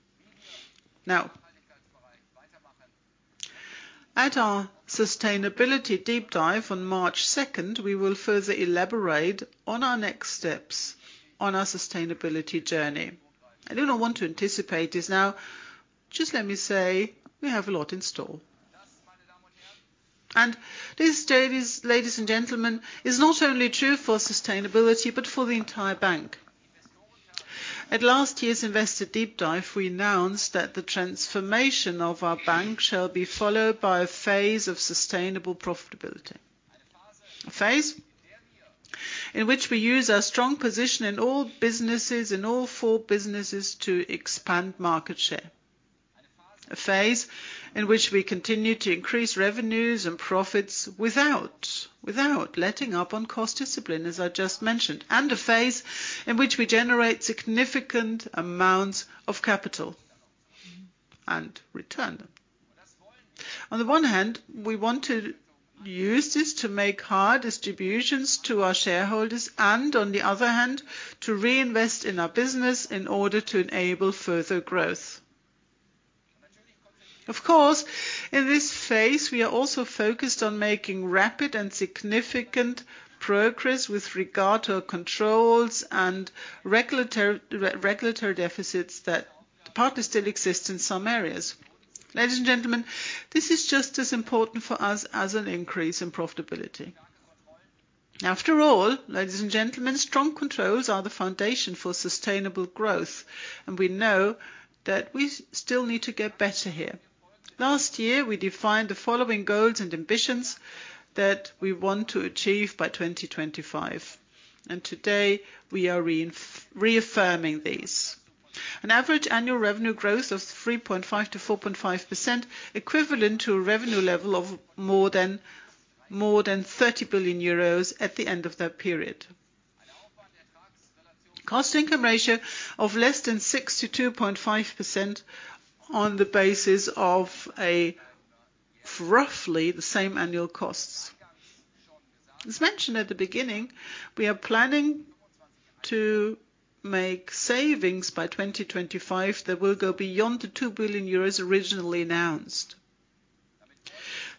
At our Sustainability Deep Dive on March 2nd, we will further elaborate on our next steps on our sustainability journey. I do not want to anticipate this now, just let me say we have a lot in store. This, ladies and gentlemen, is not only true for sustainability, but for the entire bank. At last year's Investor Deep Dive, we announced that the transformation of our bank shall be followed by a phase of sustainable profitability. A phase in which we use our strong position in all businesses, in all four businesses to expand market share. A phase in which we continue to increase revenues and profits without letting up on cost discipline, as I just mentioned. A phase in which we generate significant amounts of capital and return. On the one hand, we want to use this to make hard distributions to our shareholders and on the other hand, to reinvest in our business in order to enable further growth. Of course, in this phase we are also focused on making rapid and significant progress with regard to our controls and regulatory deficits that partly still exist in some areas. Ladies and gentlemen, this is just as important for us as an increase in profitability. After all, ladies and gentlemen, strong controls are the foundation for sustainable growth, and we know that we still need to get better here. Last year, we defined the following goals and ambitions that we want to achieve by 2025, and today we are reaffirming these. An average annual revenue growth of 3.5%-4.5% equivalent to a revenue level of more than 30 billion euros at the end of that period. Cost-income ratio of less than 6%-2.5% on the basis of a roughly the same annual costs. As mentioned at the beginning, we are planning to make savings by 2025 that will go beyond 2 billion euros originally announced.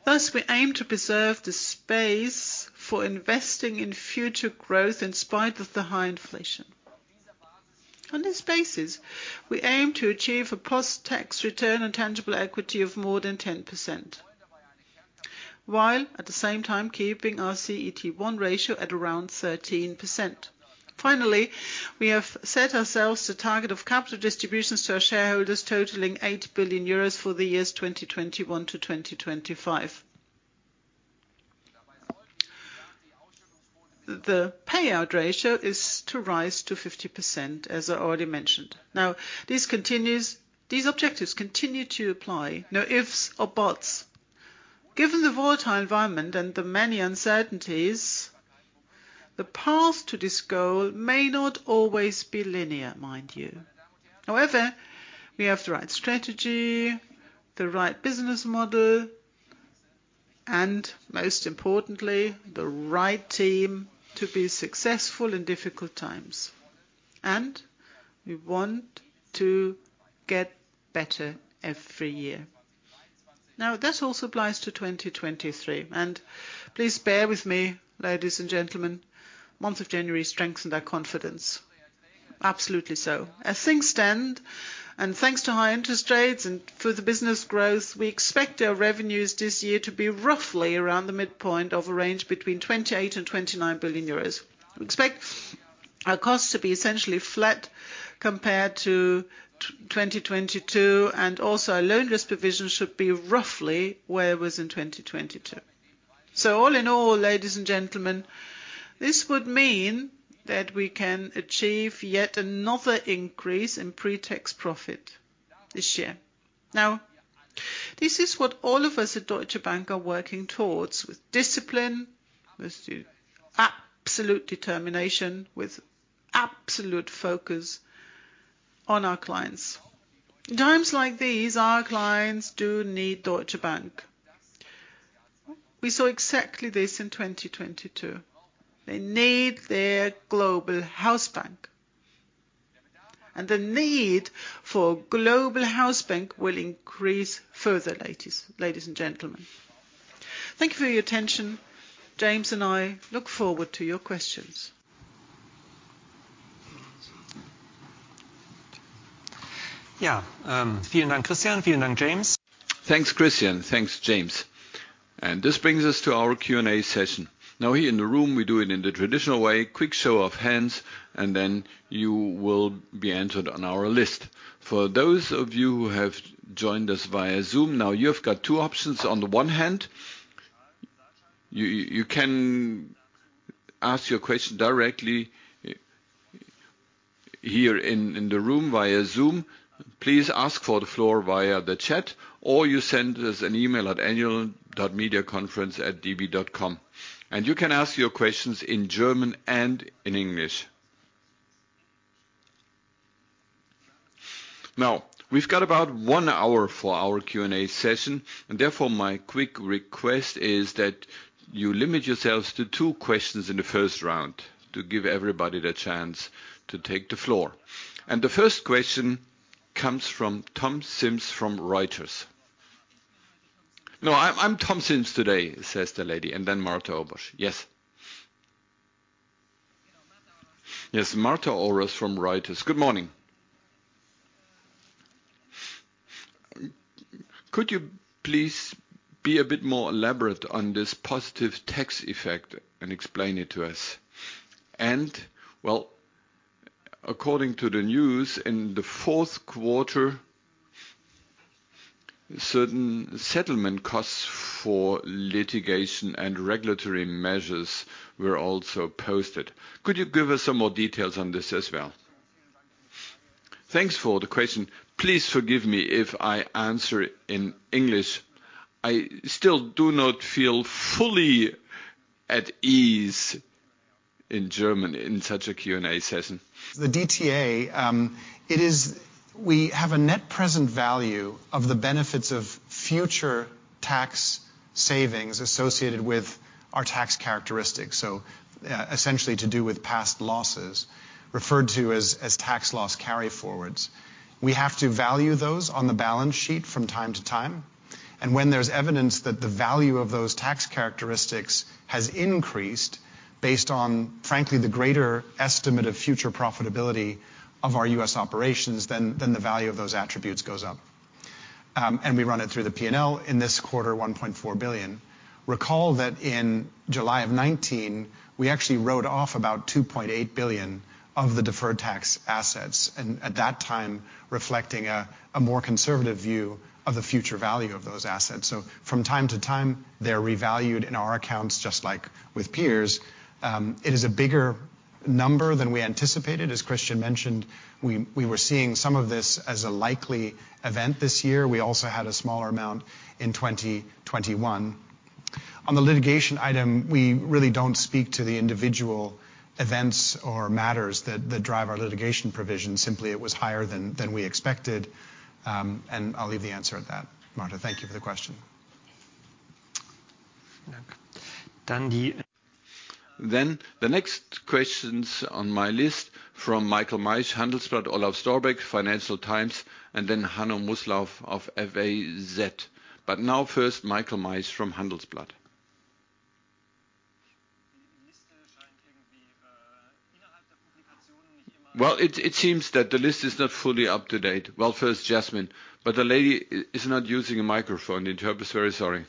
We aim to preserve the space for investing in future growth in spite of the high inflation. On this basis, we aim to achieve a post-tax return and tangible equity of more than 10%, while at the same time keeping our CET1 ratio at around 13%. Finally, we have set ourselves a target of capital distributions to our shareholders totaling 8 billion euros for the years 2021-2025. The payout ratio is to rise to 50%, as I already mentioned. These objectives continue to apply, no ifs or buts. Given the volatile environment and the many uncertainties, the path to this goal may not always be linear, mind you. However, we have the right strategy, the right business model and most importantly, the right team to be successful in difficult times. We want to get better every year. This also applies to 2023. Please bear with me, ladies and gentlemen, month of January strengthened our confidence. Absolutely so. As things stand and thanks to high interest rates and further business growth, we expect our revenues this year to be roughly around the midpoint of a range between 28 billion and 29 billion euros. We expect our costs to be essentially flat compared to 2022, also loan loss provisions should be roughly where it was in 2022. All in all, ladies and gentlemen, this would mean that we can achieve yet another increase in pre-tax profit this year. This is what all of us at Deutsche Bank are working towards with discipline, with absolute determination, with absolute focus on our clients. In times like these, our clients do need Deutsche Bank. We saw exactly this in 2022. They need their global house bank. The need for global house bank will increase further, ladies and gentlemen. Thank you for your attention. James and I look forward to your questions. Yeah. James. Thanks, Christian. Thanks, James. This brings us to our Q&A session. Here in the room, we do it in the traditional way, quick show of hands, and then you will be entered on our list. For those of you who have joined us via Zoom, you've got two options. On the one hand, you can ask your question directly here in the room via Zoom. Please ask for the floor via the chat, or you send us an email at annual.mediaconference@db.com. You can ask your questions in German and in English. We've got about one hour for our Q&A session, and therefore my quick request is that you limit yourselves to two questions if the first round to give everybody the chance to take the floor. The first question comes from Tom Sims from Reuters. No, I'm Tom Sims today, says the lady, and then Marta Orosz. Yes. Yes, Marta Orosz from Reuters. Good morning. Could you please be a bit more elaborate on this positive tax effect and explain it to us? Well, according to the news, in the fourth quarter, certain settlement costs for litigation and regulatory measures were also posted. Could you give us some more details on this as well? Thanks for the question. Please forgive me if I answer in English. I still do not feel fully at ease in German in such a Q&A session. The DTA. We have a net present value of the benefits of future tax savings associated with our tax characteristics, so essentially to do with past losses referred to as tax loss carryforwards. We have to value those on the balance sheet from time to time. When there's evidence that the value of those tax characteristics has increased based on, frankly, the greater estimate of future profitability of our U.S. operations, then the value of those attributes goes up. We run it through the P&L in this quarter, 1.4 billion. Recall that in July of 2019, we actually wrote off about 2.8 billion of the deferred tax assets, and at that time reflecting a more conservative view of the future value of those assets. From time to time, they're revalued in our accounts just like with peers. It is a bigger number than we anticipated. As Christian mentioned, we were seeing some of this as a likely event this year. We also had a smaller amount in 2021. On the litigation item, we really don't speak to the individual events or matters that drive our litigation provision. Simply, it was higher than we expected, and I'll leave the answer at that. Martha, thank you for the question. The next questions on my list from Michael Maisch, Handelsblatt, Olaf Storbeck, Financial Times, and then Hanno Mußler of FAZ. Now first, Michael Maisch from Handelsblatt. Well, it seems that the list is not fully up to date. Well, first Jasmine. The lady is not using a microphone, the interpreter. Sorry.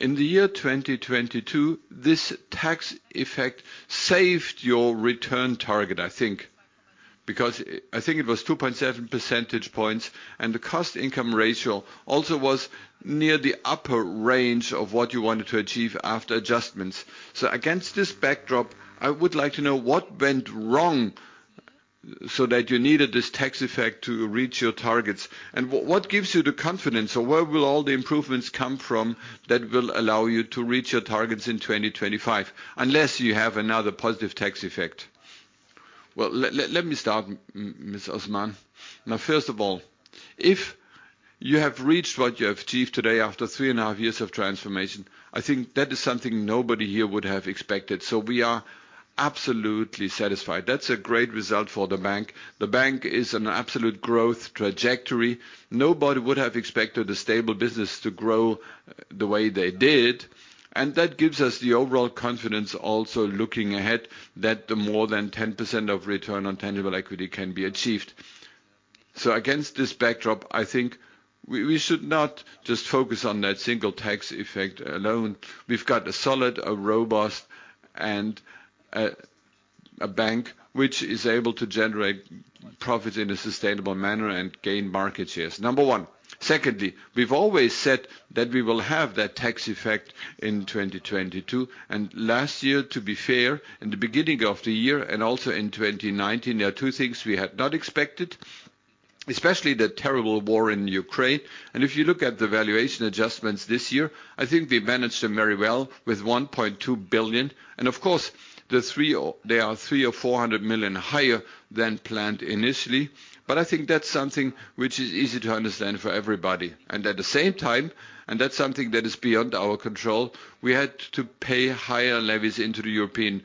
In the year 2022, this tax effect saved your return target, I think, because I think it was 2.7 percentage points, and the cost income ratio also was near the upper range of what you wanted to achieve after adjustments. Against this backdrop, I would like to know what went wrong so that you needed this tax effect to reach your targets? What gives you the confidence, or where will all the improvements come from that will allow you to reach your targets in 2025, unless you have another positive tax effect? Let me start, Ms. Osman. First of all, if you have reached what you have achieved today after three and a half years of transformation, I think that is something nobody here would have expected. We are absolutely satisfied. That's a great result for the bank. The bank is on an absolute growth trajectory. Nobody would have expected a stable business to grow the way they did, and that gives us the overall confidence also looking ahead that the more than 10% of return on tangible equity can be achieved. Against this backdrop, I think we should not just focus on that single tax effect alone. We've got a solid, a robust, and a bank which is able to generate profits in a sustainable manner and gain market shares, number 1. Secondly, we've always said that we will have that tax effect in 2022. Last year, to be fair, in the beginning of the year and also in 2019, there are two things we had not expected, especially the terrible war in Ukraine. If you look at the valuation adjustments this year, I think we managed them very well with 1.2 billion. Of course, they are 300 million or 400 million higher than planned initially. I think that's something which is easy to understand for everybody. At the same time, and that's something that is beyond our control, we had to pay higher levies into the European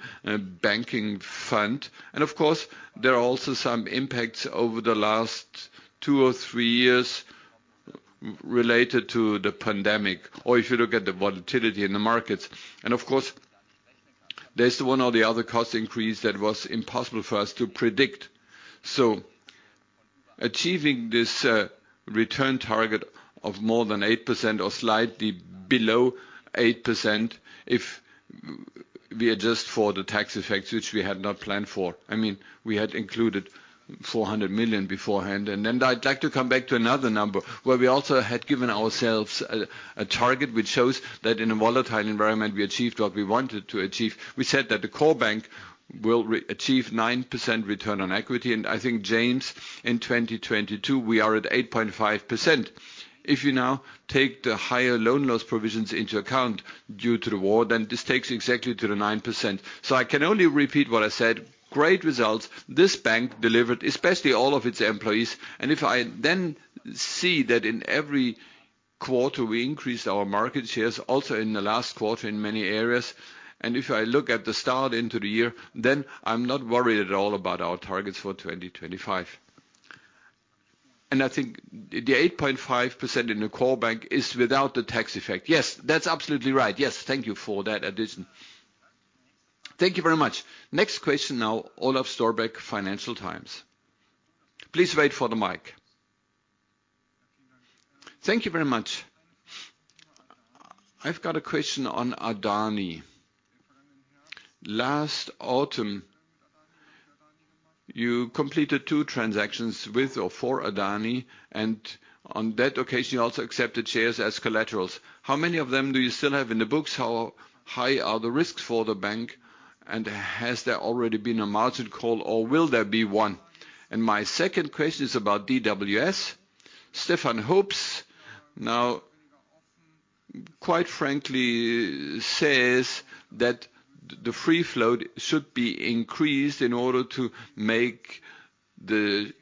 banking fund. Of course, there are also some impacts over the last two or three years related to the pandemic or if you look at the volatility in the markets. Of course, there's one or the other cost increase that was impossible for us to predict. Achieving this return target of more than 8% or slightly below 8% if we adjust for the tax effects which we had not planned for. I mean, we had included 400 million beforehand. Then I'd like to come back to another number where we also had given ourselves a target which shows that in a volatile environment we achieved what we wanted to achieve. We said that the core bank will re-achieve 9% return on equity. I think, James, in 2022 we are at 8.5%. You now take the higher loan loss provisions into account due to the war, this takes exactly to the 9%. I can only repeat what I said, great results. This bank delivered, especially all of its employees. If I then see that in every quarter we increase our market shares, also in the last quarter in many areas, and if I look at the start into the year, I'm not worried at all about our targets for 2025. I think the 8.5% in the core bank is without the tax effect. Yes, that's absolutely right. Yes. Thank you for that addition. Thank you very much. Next question now, Olaf Storbeck, Financial Times. Please wait for the mic. Thank you very much. I've got a question on Adani. Last autumn, you completed two transactions with or for Adani, on that occasion you also accepted shares as collaterals. How many of them do you still have in the books? How high are the risks for the bank? Has there already been a margin call or will there be one? My second question is about DWS. Stefan Hoops now quite frankly says that the free float should be increased in order to make the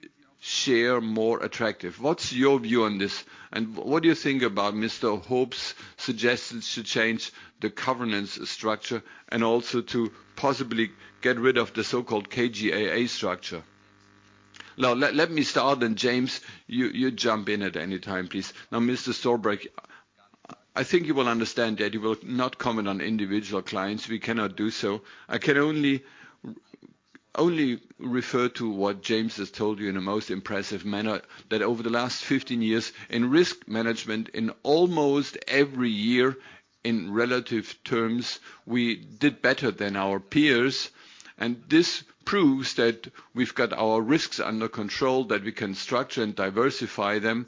share more attractive. What's your view on this, and what do you think about Mr. Hoops' suggestions to change the governance structure and also to possibly get rid of the so-called KGaA structure? Let me start, James, you jump in at any time, please. Mr. Storbeck, I think you will understand that we will not comment on individual clients. We cannot do so. I can only refer to what James has told you in a most impressive manner, that over the last 15 years in risk management, in almost every year in relative terms, we did better than our peers. This proves that we've got our risks under control, that we can structure and diversify them.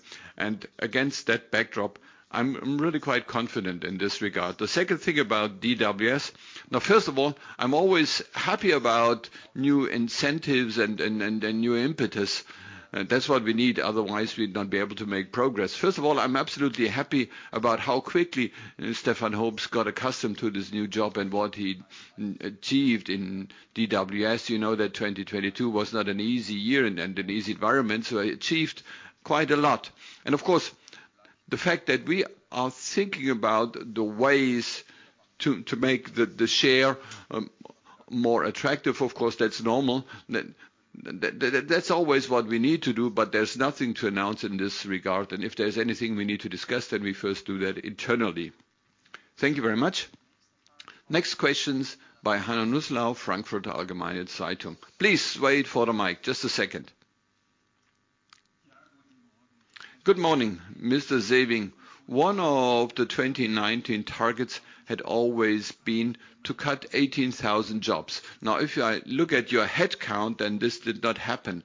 Against that backdrop, I'm really quite confident in this regard. The second thing about DWS. First of all, I'm always happy about new incentives and new impetus. That's what we need, otherwise we'd not be able to make progress. First of all, I'm absolutely happy about how quickly Stefan Hoops got accustomed to this new job and what he achieved in DWS. You know that 2022 was not an easy year and an easy environment, he achieved quite a lot. Of course, the fact that we are thinking about the ways to make the share more attractive, of course, that's normal. That's always what we need to do, but there's nothing to announce in this regard. If there's anything we need to discuss, then we first do that internally. Thank you very much. Next question is by Hanno Mußler, Frankfurter Allgemeine Zeitung. Please wait for the mic. Just a second. Good morning, Mr. Sewing. One of the 2019 targets had always been to cut 18,000 jobs. If I look at your headcount, and this did not happen,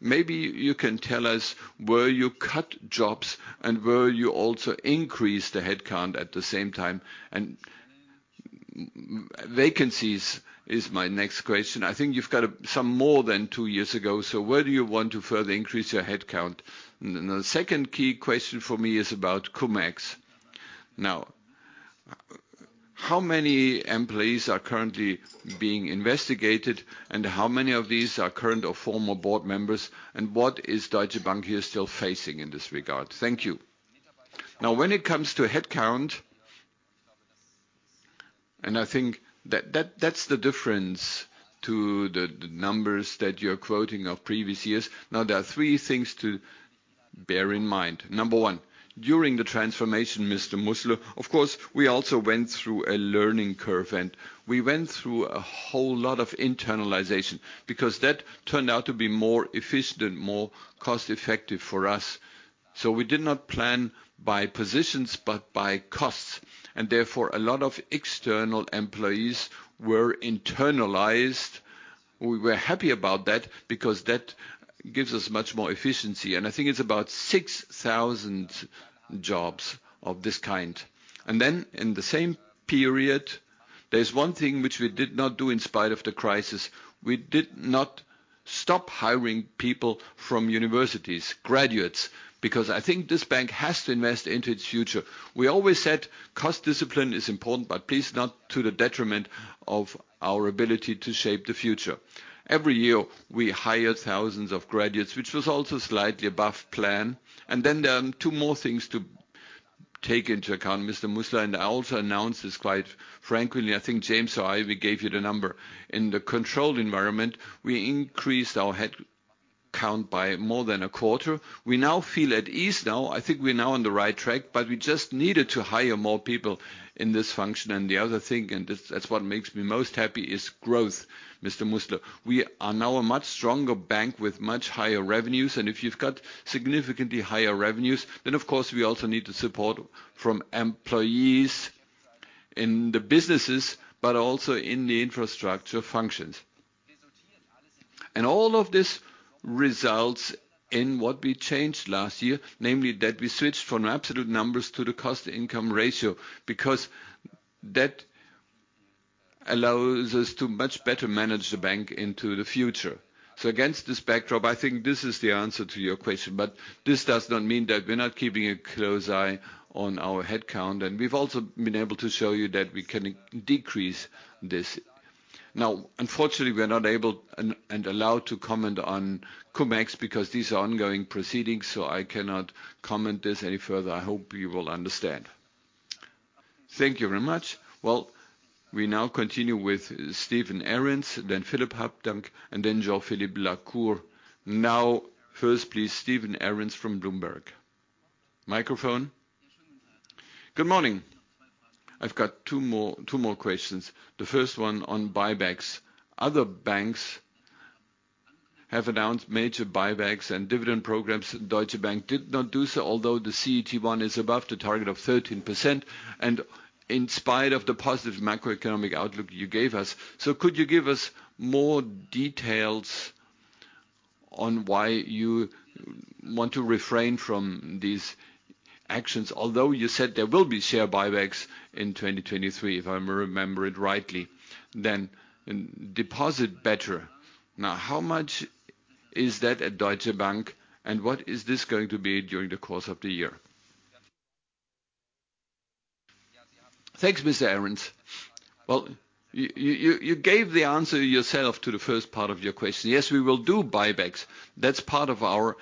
maybe you can tell us where you cut jobs and where you also increased the headcount at the same time. Vacancies is my next question. I think you've got some more than two years ago. Where do you want to further increase your headcount? The second key question for me is about Cum/Ex. How many employees are currently being investigated, and how many of these are current or former board members? What is Deutsche Bank here still facing in this regard? Thank you. When it comes to headcount, I think that's the difference to the numbers that you're quoting of previous years. There are three things to bear in mind. Number one, during the transformation, Mr. Mußler, of course, we also went through a learning curve, and we went through a whole lot of internalization because that turned out to be more efficient, more cost effective for us. We did not plan by positions, but by costs, and therefore, a lot of external employees were internalized. We were happy about that because that gives us much more efficiency, and I think it's about 6,000 jobs of this kind. In the same period, there's one thing which we did not do in spite of the crisis. We did not stop hiring people from universities, graduates, because I think this bank has to invest into its future. We always said cost discipline is important, but please not to the detriment of our ability to shape the future. Every year we hire thousands of graduates, which was also slightly above plan. Two more things to take into account, Mr. Mußler, and I also announced this quite frankly. I think James or I, we gave you the number. In the controlled environment, we increased our headcount by more than a quarter. We now feel at ease now. I think we're now on the right track, but we just needed to hire more people in this function. The other thing, and this, that's what makes me most happy, is growth, Mr. Mußler. We are now a much stronger bank with much higher revenues. If you've got significantly higher revenues, then of course we also need the support from employees in the businesses, but also in the infrastructure functions. All of this results in what we changed last year, namely that we switched from absolute numbers to the cost-income ratio because that allows us to much better manage the bank into the future. Against this backdrop, I think this is the answer to your question. This does not mean that we're not keeping a close eye on our headcount, and we've also been able to show you that we can decrease this. Unfortunately, we are not able and allowed to comment on Cum/Ex because these are ongoing proceedings, so I cannot comment this any further. I hope you will understand. Thank you very much. We now continue with Steven Arons, then Philipp Habdank, and then Jean-Philippe Lacour. First please Steven Arons from Bloomberg. Microphone. Good morning. I've got two more questions. The first one on buybacks. Other banks have announced major buybacks and dividend programs. Deutsche Bank did not do so, although the CET1 is above the target of 13% and in spite of the positive macroeconomic outlook you gave us. Could you give us more details on why you want to refrain from these actions? Although you said there will be share buybacks in 2023, if I remember it rightly. Deposit beta. Now, how much is that at Deutsche Bank, and what is this going to be during the course of the year? Thanks, Mr. Arons. You gave the answer yourself to the first part of your question. Yes, we will do buybacks. That's part of our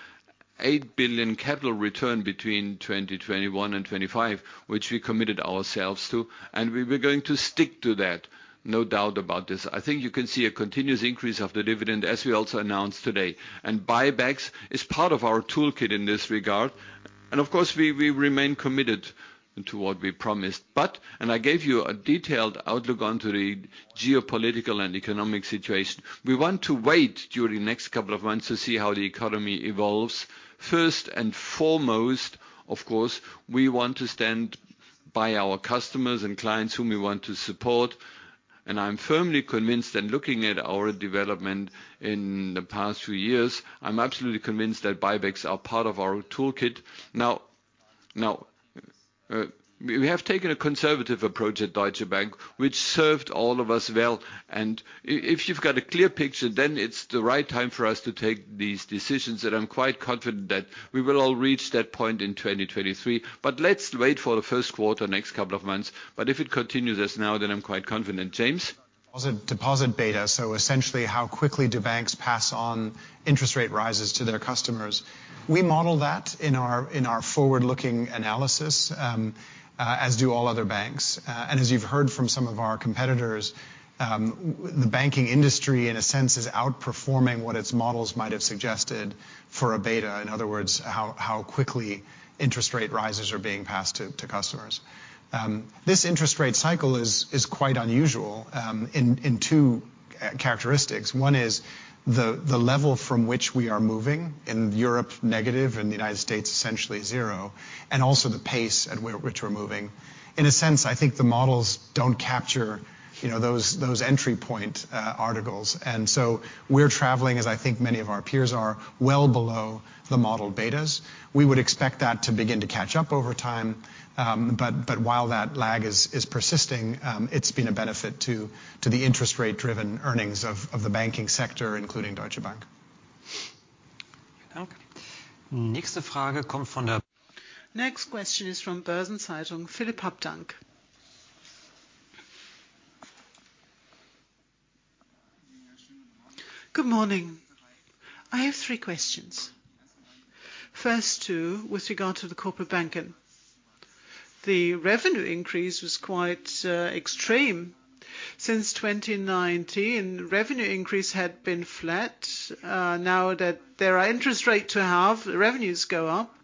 8 billion capital return between 2021 and 2025, which we committed ourselves to, and we were going to stick to that, no doubt about this. I think you can see a continuous increase of the dividend as we also announced today. Buybacks is part of our toolkit in this regard. Of course, we remain committed to what we promised. I gave you a detailed outlook onto the geopolitical and economic situation. We want to wait during the next couple of months to see how the economy evolves. First and foremost, of course, we want to stand by our customers and clients whom we want to support. I'm firmly convinced that looking at our development in the past few years, I'm absolutely convinced that buybacks are part of our toolkit. Now, we have taken a conservative approach at Deutsche Bank, which served all of us well. If you've got a clear picture, then it's the right time for us to take these decisions, and I'm quite confident that we will all reach that point in 2023. Let's wait for the first quarter, next couple of months. If it continues as now, then I'm quite confident. James? Deposit beta, so essentially how quickly do banks pass on interest rate rises to their customers? We model that in our forward-looking analysis, as do all other banks. As you've heard from some of our competitors, the banking industry, in a sense, is outperforming what its models might have suggested for a beta, in other words, how quickly interest rate rises are being passed to customers. This interest rate cycle is quite unusual, in two characteristics. One is the level from which we are moving in Europe, negative, in the United States, essentially zero, and also the pace at which we're moving. In a sense, I think the models don't capture, you know, those entry point articles. We're traveling, as I think many of our peers are, well below the model betas. We would expect that to begin to catch up over time. But while that lag is persisting, it's been a benefit to the interest rate-driven earnings of the banking sector, including Deutsche Bank. Thank you. Next question is from Börsen-Zeitung, Philipp Habdank. Good morning. I have three questions. First two with regard to the corporate banking. The revenue increase was quite extreme. Since 2019, revenue increase had been flat. Now that there are interest rate to have, the revenues go up.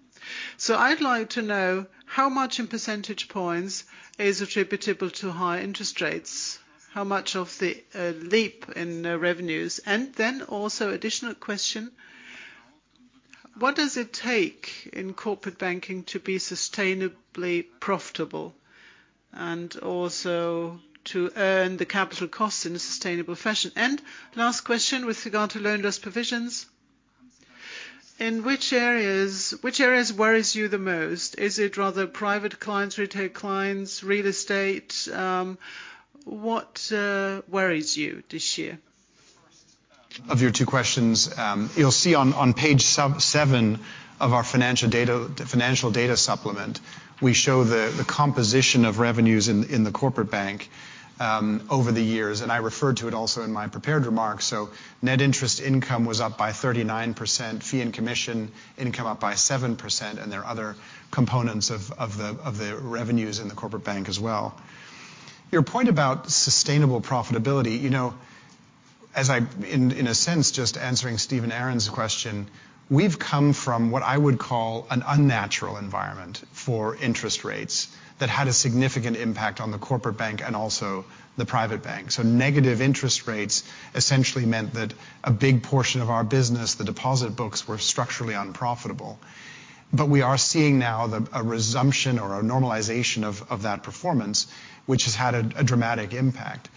I'd like to know how much in percentage points is attributable to high interest rates, how much of the leap in revenues. Also additional question, what does it take in corporate banking to be sustainably profitable and also to earn the capital costs in a sustainable fashion? Last question with regard to loan loss provisions. Which areas worries you the most? Is it rather private clients, retail clients, real estate? What worries you this year? Of your two questions, you'll see on page seven of our financial data, financial data supplement, we show the composition of revenues in the Corporate Bank over the years, and I referred to it also in my prepared remarks. Net interest income was up by 39%, fee and commission income up by 7%, and there are other components of the revenues in the Corporate Bank as well. Your point about sustainable profitability, you know, as I, in a sense, just answering Steven Arons' question, we've come from what I would call an unnatural environment for interest rates that had a significant impact on the Corporate Bank and also the Private Bank. Negative interest rates essentially meant that a big portion of our business, the deposit books, were structurally unprofitable. We are seeing now a resumption or a normalization of that performance, which has had a dramatic impact.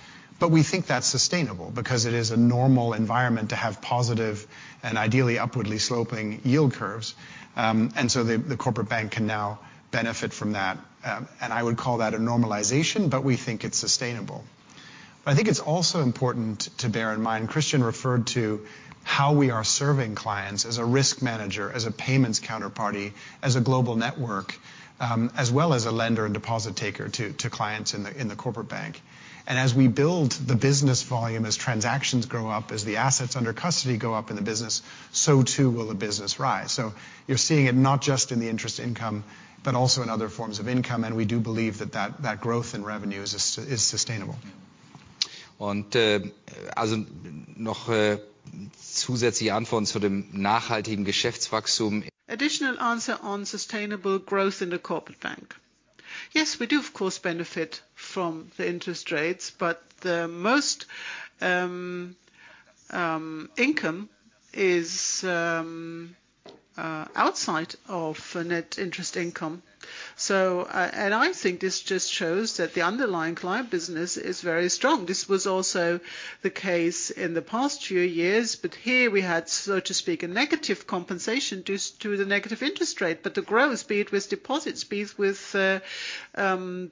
We think that's sustainable because it is a normal environment to have positive and ideally upwardly sloping yield curves. The Corporate Bank can now benefit from that. I would call that a normalization. We think it's sustainable. I think it's also important to bear in mind, Christian referred to how we are serving clients as a risk manager, as a payments counterparty, as a global network, as well as a lender and deposit taker to clients in the Corporate Bank. As we build the business volume, as transactions grow up, as the assets under custody go up in the business, so too will the business rise. You're seeing it not just in the interest income, but also in other forms of income. We do believe that growth in revenue is sustainable. Additional answer on sustainable growth in the Corporate Bank. We do of course benefit from the interest rates, but the most income is outside of net interest income. I think this just shows that the underlying client business is very strong. This was also the case in the past few years, but here we had, so to speak, a negative compensation due to the negative interest rate. The growth, be it with deposits, be it with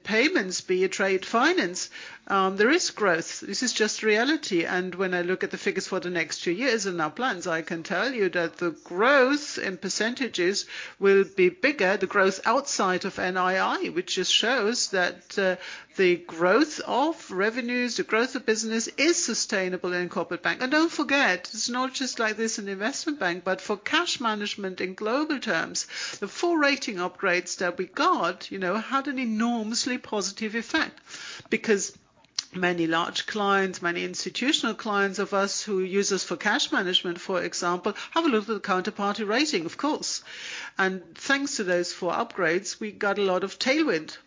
payments, be it trade finance, there is growth. This is just reality. When I look at the figures for the next two years in our plans, I can tell you that the growth in percentages will be bigger, the growth outside of NII, which just shows that the growth of revenues, the growth of business is sustainable in Corporate Bank. Don't forget, it's not just like this in Investment Bank, but for cash management in global terms, the full rating upgrades that we got, you know, had an enormously positive effect. Many large clients, many institutional clients of us who use us for cash management, for example, have a look at the counterparty rating, of course. Thanks to those four upgrades, we got a lot of tailwind.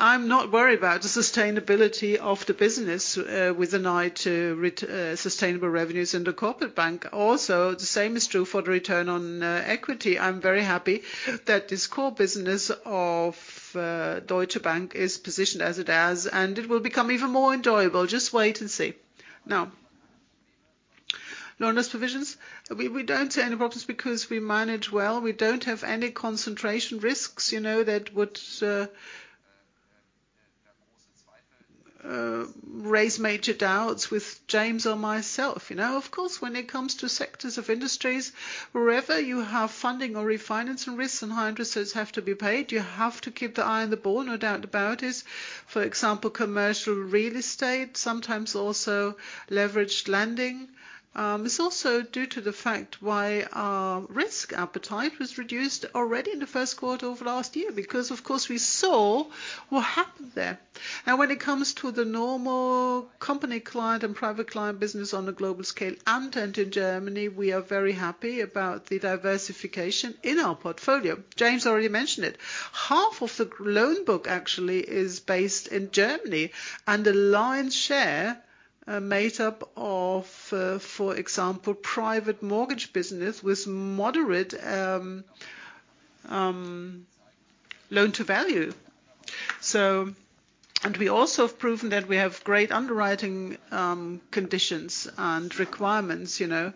I'm not worried about the sustainability of the business, with an eye to sustainable revenues in the Corporate Bank. The same is true for the return on equity. I'm very happy that this core business of Deutsche Bank is positioned as it is, and it will become even more enjoyable. Just wait and see. Loan loss provisions, we don't see any problems because we manage well. We don't have any concentration risks, you know, that would raise major doubts with James or myself, you know. Of course, when it comes to sectors of industries, wherever you have funding or refinancing risks and high interest rates have to be paid, you have to keep the eye on the ball, no doubt about it. For example, commercial real estate, sometimes also leveraged lending. It's also due to the fact why our risk appetite was reduced already in the first quarter of last year because of course, we saw what happened there. Now, when it comes to the normal company client and private client business on a global scale and in Germany, we are very happy about the diversification in our portfolio. James already mentioned it. Half of the loan book actually is based in Germany, and the lion's share made up of, for example, private mortgage business with moderate loan-to-value. And we also have proven that we have great underwriting conditions and requirements, you know.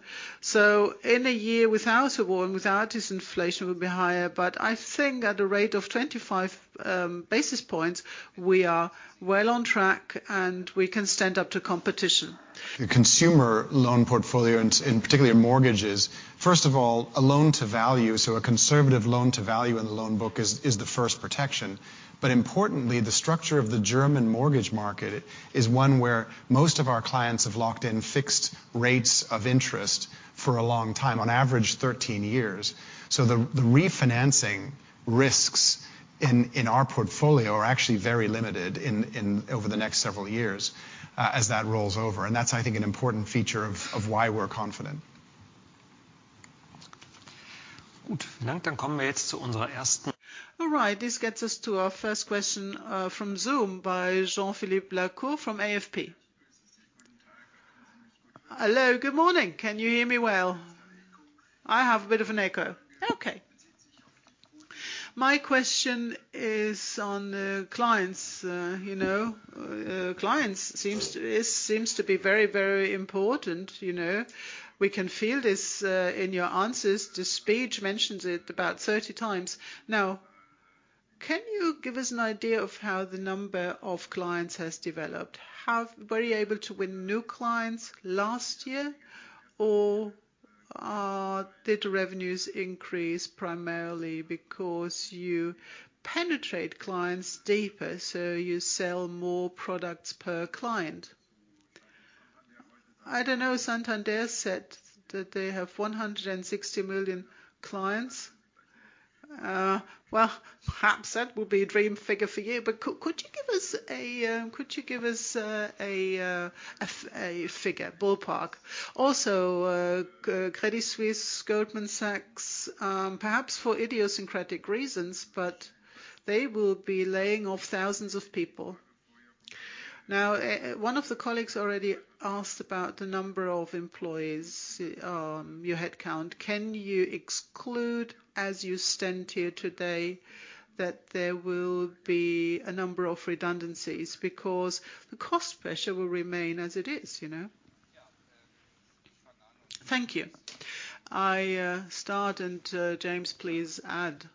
In a year without a war and without this inflation would be higher. I think at a rate of 25 basis points, we are well on track, and we can stand up to competition. The consumer loan portfolio and particularly mortgages, first of all, a loan-to-value, so a conservative loan-to-value in the loan book is the first protection. Importantly, the structure of the German mortgage market is one where most of our clients have locked in fixed rates of interest for a long time, on average 13 years. The refinancing risks in our portfolio are actually very limited in over the next several years as that rolls over. That's, I think, an important feature of why we're confident. All right. This gets us to our first question from Zoom by Jean-Philippe Lacour from AFP. Hello. Good morning. Can you hear me well? I have a bit of an echo. Okay. My question is on the clients, you know, clients seems to be very, very important, you know. We can feel this in your answers. The speech mentions it about 30x. Now, can you give us an idea of how the number of clients has developed? Were you able to win new clients last year, or did the revenues increase primarily because you penetrate clients deeper, so you sell more products per client? I don't know. Santander said that they have 160 million clients. Well, perhaps that will be a dream figure for you. Could you give us could you give us a figure, ballpark? Also, Credit Suisse, Goldman Sachs, perhaps for idiosyncratic reasons, but they will be laying off thousands of people. Now, one of the colleagues already asked about the number of employees, your headcount. Can you exclude as you stand here today that there will be a number of redundancies because the cost pressure will remain as it is, you know? Thank you. I start and James, please add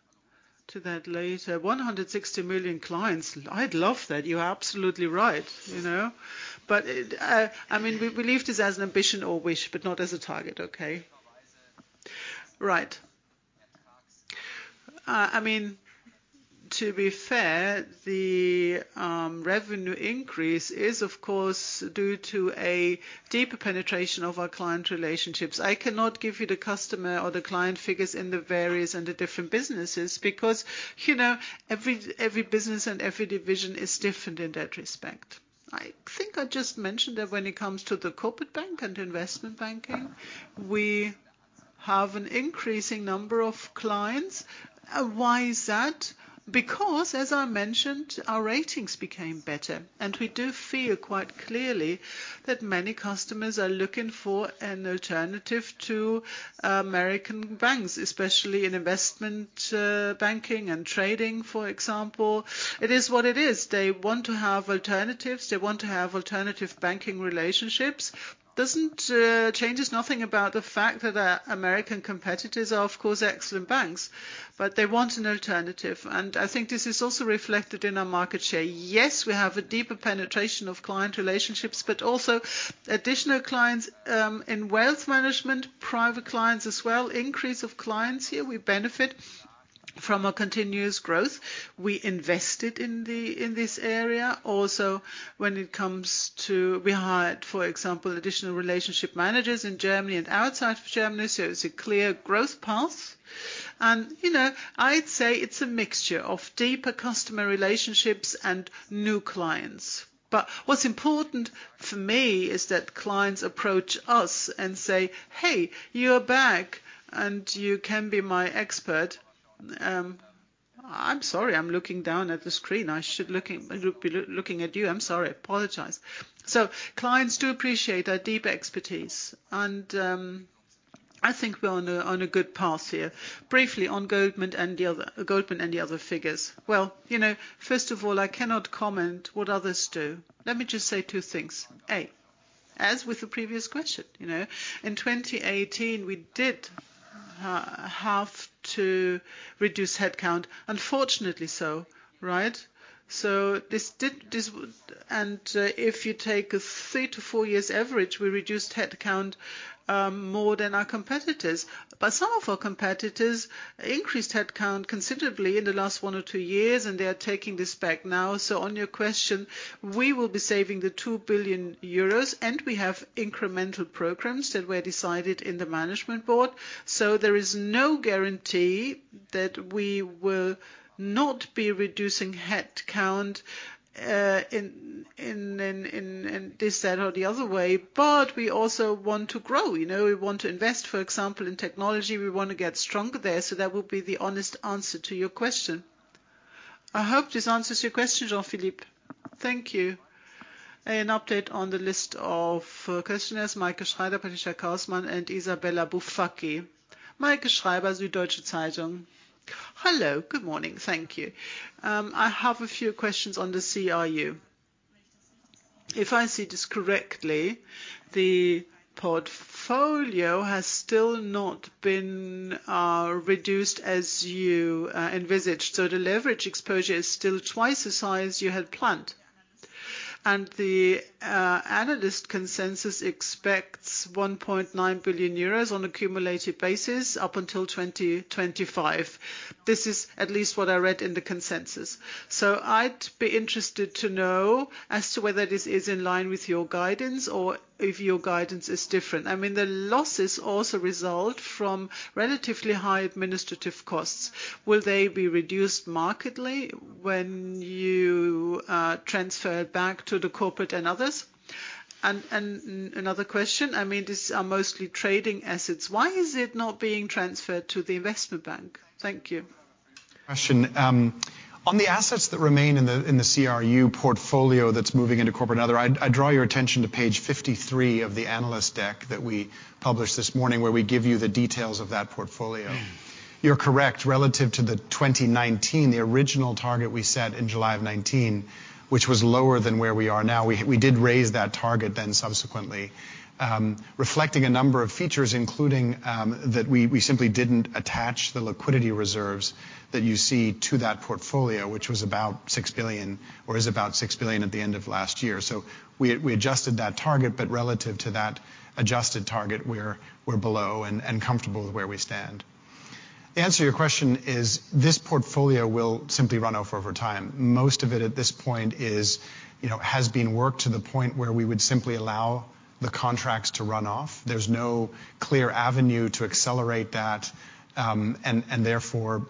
to that later. 160 million clients. I'd love that. You're absolutely right, you know. But, I mean, we leave this as an ambition or wish, but not as a target, okay? Right. I mean, to be fair, the revenue increase is of course due to a deeper penetration of our client relationships. I cannot give you the customer or the client figures in the various and the different businesses because, you know, every business and every division is different in that respect. I think I just mentioned that when it comes to the Corporate Bank and Investment banking, we have an increasing number of clients. Why is that? Because, as I mentioned, our ratings became better. We do feel quite clearly that many customers are looking for an alternative to American banks, especially in Investment banking and trading, for example. It is what it is. They want to have alternatives. They want to have alternative banking relationships. Doesn't changes nothing about the fact that our American competitors are, of course, excellent banks, but they want an alternative. I think this is also reflected in our market share. We have a deeper penetration of client relationships, but also additional clients in wealth management, private clients as well, increase of clients here. We benefit from a continuous growth. We invested in this area also when it comes to we hired, for example, additional relationship managers in Germany and outside of Germany. It's a clear growth path. You know, I'd say it's a mixture of deeper customer relationships and new clients. What's important for me is that clients approach us and say, "Hey, you're back, and you can be my expert." I'm sorry, I'm looking down at the screen. I should be looking at you. I'm sorry. I apologize. Clients do appreciate our deep expertise, and I think we're on a good path here. Briefly on Goldman and the other figures. You know, first of all, I cannot comment what others do. Let me just say two things. A. As with the previous question, you know, in 2018 we did have to reduce headcount, unfortunately so, right? If you take three to four years average, we reduced headcount more than our competitors. Some of our competitors increased headcount considerably in the last one year or two years, and they are taking this back now. On your question, we will be saving the 2 billion euros, and we have incremental programs that were decided in the management board. There is no guarantee that we will not be reducing headcount in this, that, or the other way. We also want to grow. You know, we want to invest, for example, in technology. We wanna get stronger there. That would be the honest answer to your question. I hope this answers your question, Jean-Philippe. Thank you. An update on the list of questioners, Meike Schreiber, Petra Kussmann, and Isabella Bufacchi. Meike Schreiber, Süddeutsche Zeitung. Hello. Good morning. Thank you. I have a few questions on the CRU. If I see this correctly, the portfolio has still not been reduced as you envisaged. The leverage exposure is still twice the size you had planned. The analyst consensus expects 1.9 billion euros on accumulated basis up until 2025. This is at least what I read in the consensus. I'd be interested to know as to whether this is in line with your guidance or if your guidance is different. I mean, the losses also result from relatively high administrative costs. Will they be reduced markedly when you to transfer back to the Corporate & Other? Another question, I mean, these are mostly trading assets. Why is it not being transferred to the Investment Bank? Thank you. Question. On the assets that remain in the CRU portfolio that's moving into Corporate & Other, I draw your attention to page 53 of the analyst deck that we published this morning, where we give you the details of that portfolio. You're correct. Relative to the 2019, the original target we set in July of 2019, which was lower than where we are now, we did raise that target then subsequently, reflecting a number of features, including that we simply didn't attach the liquidity reserves that you see to that portfolio, which was about 6 billion, or is about 6 billion at the end of last year. We adjusted that target, relative to that adjusted target, we're below and comfortable with where we stand. The answer to your question is this portfolio will simply run off over time. Most of it at this point is, you know, has been worked to the point where we would simply allow the contracts to run off. There's no clear avenue to accelerate that, and therefore,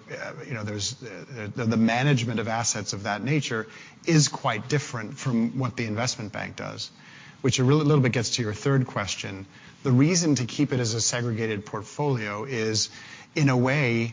you know, there's, the management of assets of that nature is quite different from what the Investment Bank does, which a little bit gets to your third question. The reason to keep it as a segregated portfolio is, in a way,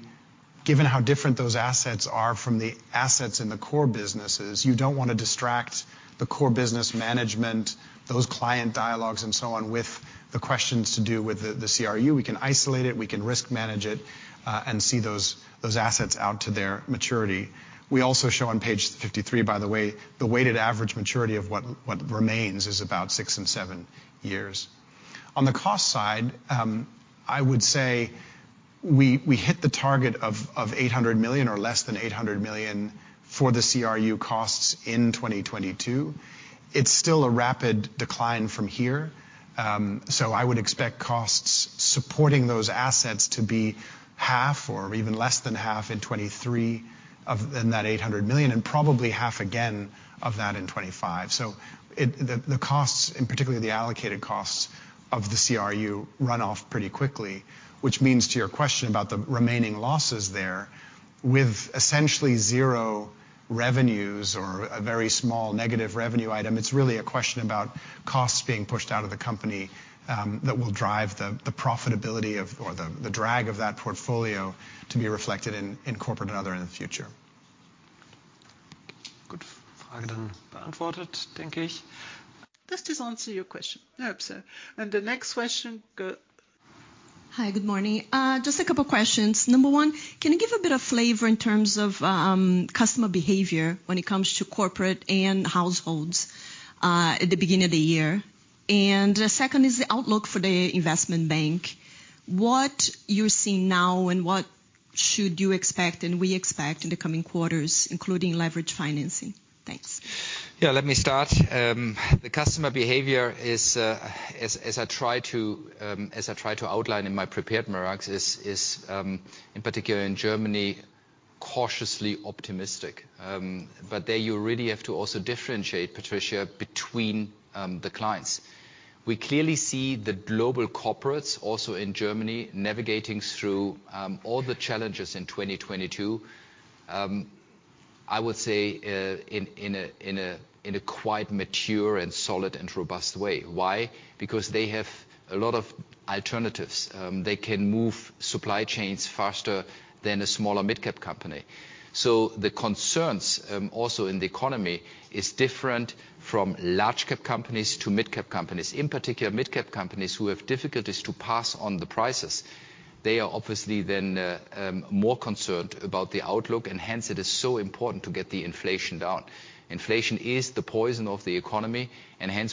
given how different those assets are from the assets in the core businesses, you don't wanna distract the core business management, those client dialogues and so on with the questions to do with the CRU. We can isolate it, we can risk manage it, and see those assets out to their maturity. We also show on page 53, by the way, the weighted average maturity of what remains is about six and seven years. On the cost side, I would say we hit the target of 800 million or less than 800 million for the CRU costs in 2022. It's still a rapid decline from here, I would expect costs supporting those assets to be half or even less than half in 2023 than that 800 million, and probably half again of that in 2025. The costs, and particularly the allocated costs of the CRU run off pretty quickly, which means to your question about the remaining losses there, with essentially zero revenues or a very small negative revenue item, it's really a question about costs being pushed out of the company, that will drive the profitability of, or the drag of that portfolio to be reflected in Corporate & Other in the future. Good. Does this answer your question? I hope so. The next question. Go. Hi, good morning. Just two questions. Number one, can you give a bit of flavor in terms of customer behavior when it comes to corporate and households at the beginning of the year? The second is the outlook for the Investment Bank. What you're seeing now and what should you expect and we expect in the coming quarters, including leverage financing? Thanks. Yeah, let me start. The customer behavior is as I tried to outline in my prepared remarks, is in particular in Germany, cautiously optimistic. There you really have to also differentiate, Patricia, between the clients. We clearly see the global corporates also in Germany navigating through all the challenges in 2022, I would say, in a quite mature and solid and robust way. Why? They have a lot of alternatives. They can move supply chains faster than a smaller midcap company. The concerns also in the economy is different from large cap companies to midcap companies. In particular, midcap companies who have difficulties to pass on the prices. They are obviously more concerned about the outlook. It is so important to get the inflation down. Inflation is the poison of the economy.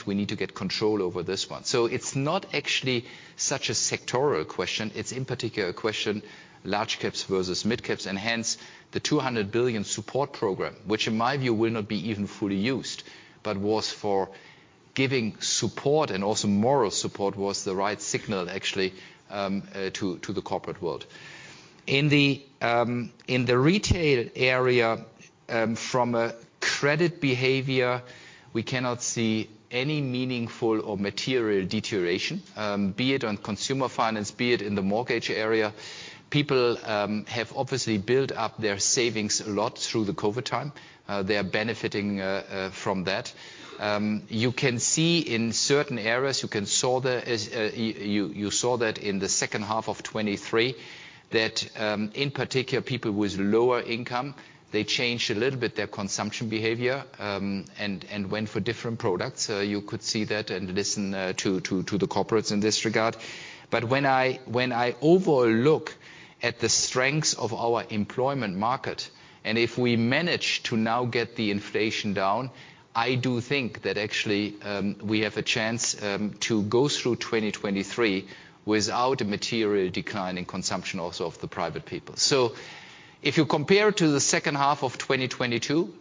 We need to get control over this one. It's not actually such a sectoral question. It's in particular a question large caps versus midcaps. The 200 billion support program, which in my view will not be even fully used, but was for giving support and also moral support was the right signal actually to the corporate world. In the retail area, from a credit behavior, we cannot see any meaningful or material deterioration, be it on consumer finance, be it in the mortgage area. People have obviously built up their savings a lot through the COVID time. They are benefiting from that. You can see in certain areas, you saw that in the second half of 2023, that in particular people with lower income, they changed a little bit their consumption behavior, and went for different products. You could see that and listen to the corporates in this regard. When I overall look at the strengths of our employment market, and if we manage to now get the inflation down, I do think that actually, we have a chance to go through 2023 without a material decline in consumption also of the private people. If you compare to the second half of 2022,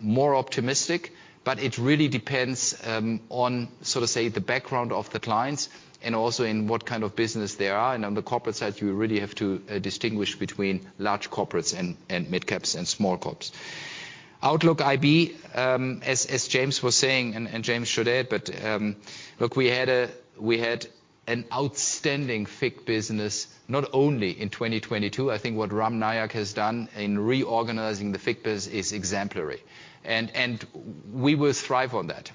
more optimistic, but it really depends on sort of say the background of the clients and also in what kind of business they are. On the corporate side, you really have to distinguish between large corporates and midcaps and small corps. Outlook IB, as James was saying and James should add, look, we had an outstanding FIC business, not only in 2022. I think what Ram Nayak has done in reorganizing the FIC biz is exemplary. We will thrive on that.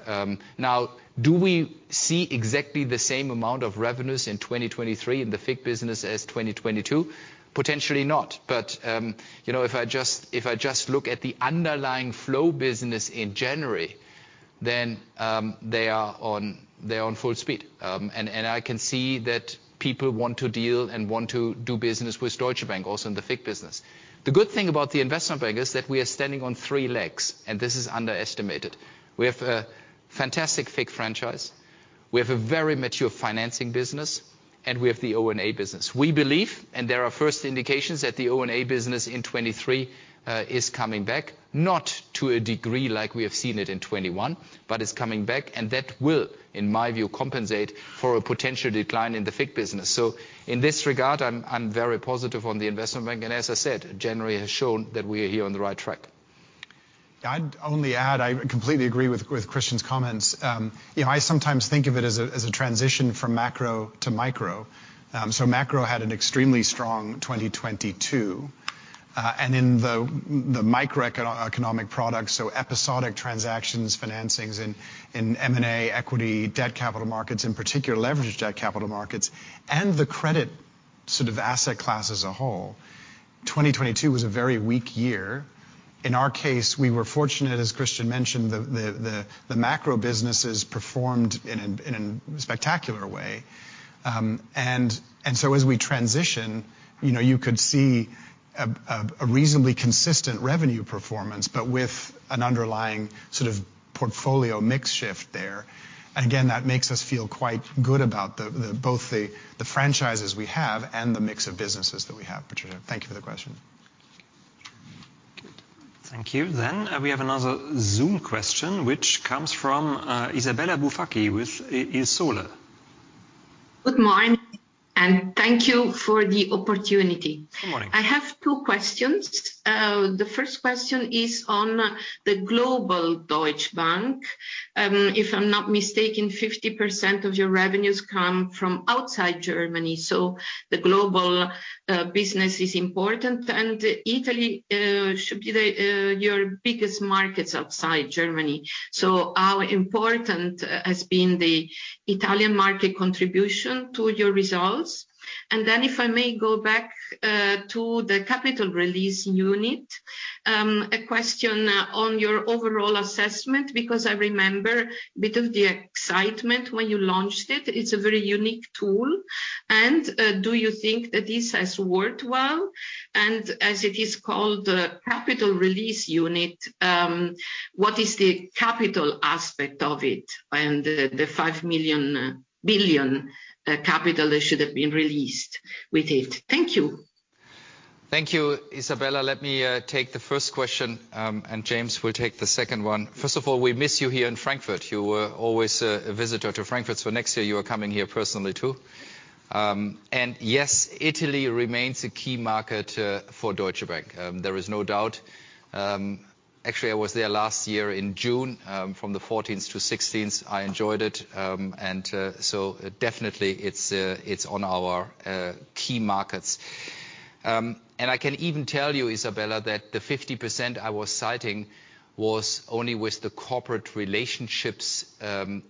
Now, do we see exactly the same aount of revenues in 2023 in the FIC business as 2022? Potentially not. You know, if I just look at the underlying flow business in January, they are on full speed. I can see that people want to deal and want to do business with Deutsche Bank, also in the FIC business. The good thing about the Investment Bank is that we are standing on three legs. This is underestimated. We have a fantastic FIC franchise, we have a very mature financing business, and we have the O&A business. We believe, there are first indications that the O&A business in 2023 is coming back, not to a degree like we have seen it in 2021, but it's coming back, and that will, in my view, compensate for a potential decline in the FIC business. In this regard, I'm very positive on the Investment Bank. As I said, January has shown that we are here on the right track. I'd only add, I completely agree with Christian's comments. You know, I sometimes think of it as a transition from macro to micro. Macro had an extremely strong 2022. In the microeconomic products, so episodic transactions, financings in M&A, equity, debt capital markets, in particular leveraged debt capital markets, and the credit sort of asset class as a whole, 2022 was a very weak year. In our case, we were fortunate, as Christian mentioned, the macro businesses performed in a spectacular way. As we transition, you know, you could see a reasonably consistent revenue performance, but with an underlying sort of portfolio mix shift there. Again, that makes us feel quite good about both the franchises we have and the mix of businesses that we have. Patricia, thank you for the question. Thank you. We have another Zoom question, which comes from Isabella Bufacchi with Il Sole. Good morning, thank you for the opportunity. Good morning. I have two questions. The first question is on the global Deutsche Bank. If I'm not mistaken, 50% of your revenues come from outside Germany, so the global business is important. Italy should be the your biggest markets outside Germany. So how important has been the Italian market contribution to your results? If I may go back to the Capital Release Unit, a question on your overall assessment because I remember a bit of the excitement when you launched it. It's a very unique tool. Do you think that this has worked well? As it is called the Capital Release Unit, what is the capital aspect of it and the 5 million, billion, capital that should have been released with it? Thank you. Thank you, Isabella. Let me take the first question. James will take the second one. First of all, we miss you here in Frankfurt. You were always a visitor to Frankfurt. Next year you are coming here personally too. Yes, Italy remains a key market for Deutsche Bank. There is no doubt. Actually, I was there last year in June, from the 14th to 16th. I enjoyed it. Definitely it's on our key markets. I can even tell you, Isabella, that the 50% I was citing was only with the corporate relationships,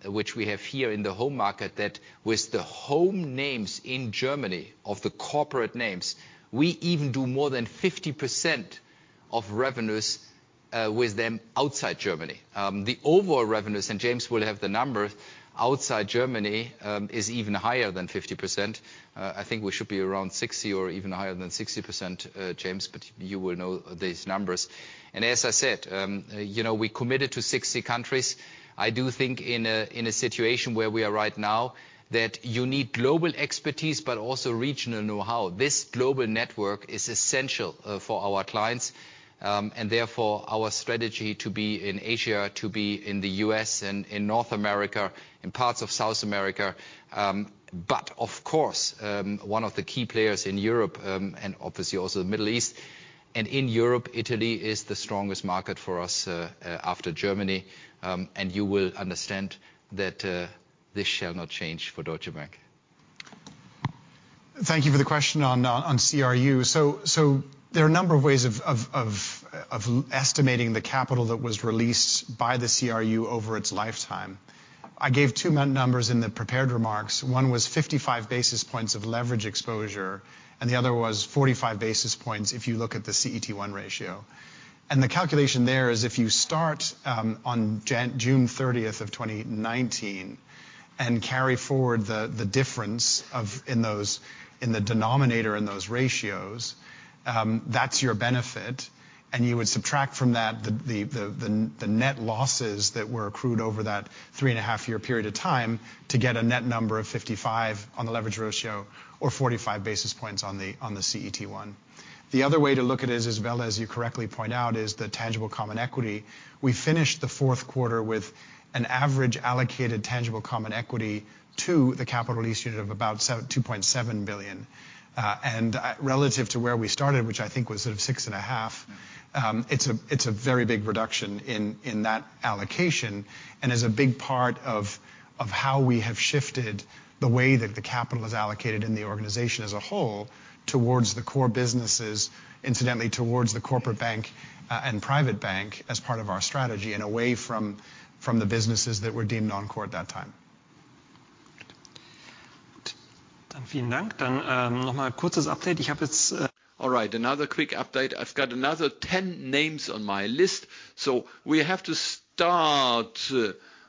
which we have here in the home market, that with the home names in Germany, of the corporate names, we even do more than 50% of revenues with them outside Germany. The overall revenues, James will have the numbers, outside Germany, is even higher than 50%. I think we should be around 60% or even higher than 60%, James, but you will know these numbers. As I said, you know, we committed to 60 countries. I do think in a situation where we are right now, that you need global expertise but also regional know-how. This global network is essential for our clients, and therefore our strategy to be in Asia, to be in the U.S. and in North America, in parts of South America, but of course, one of the key players in Europe, and obviously also the Middle East. In Europe, Italy is the strongest market for us after Germany. You will understand that this shall not change for Deutsche Bank. Thank you for the question on CRU. There are a number of ways of estimating the capital that was released by the CRU over its lifetime. I gave two numbers in the prepared remarks. One was 55 basis points of leverage exposure, and the other was 45 basis points if you look at the CET1 ratio. The calculation there is if you start on June 30th, 2019 and carry forward the difference in the denominator in those ratios, that's your benefit. You would subtract from that the net losses that were accrued over that 3.5-year period of time to get a net number of 55 on the leverage ratio or 45 basis points on the CET1. The other way to look at it, Isabella, as you correctly point out, is the tangible common equity. We finished the fourth quarter with an average allocated tangible common equity to the Capital Release Unit of about 2.7 billion. Relative to where we started, which I think was sort of 6.5 billion, it's a very big reduction in that allocation, and is a big part of how we have shifted the way that the capital is allocated in the organization as a whole towards the core businesses, incidentally towards the Corporate Bank and Private Bank as part of our strategy and away from the businesses that were deemed non-core at that time. All right. Another quick update. I've got another 10 names on my list. We have to start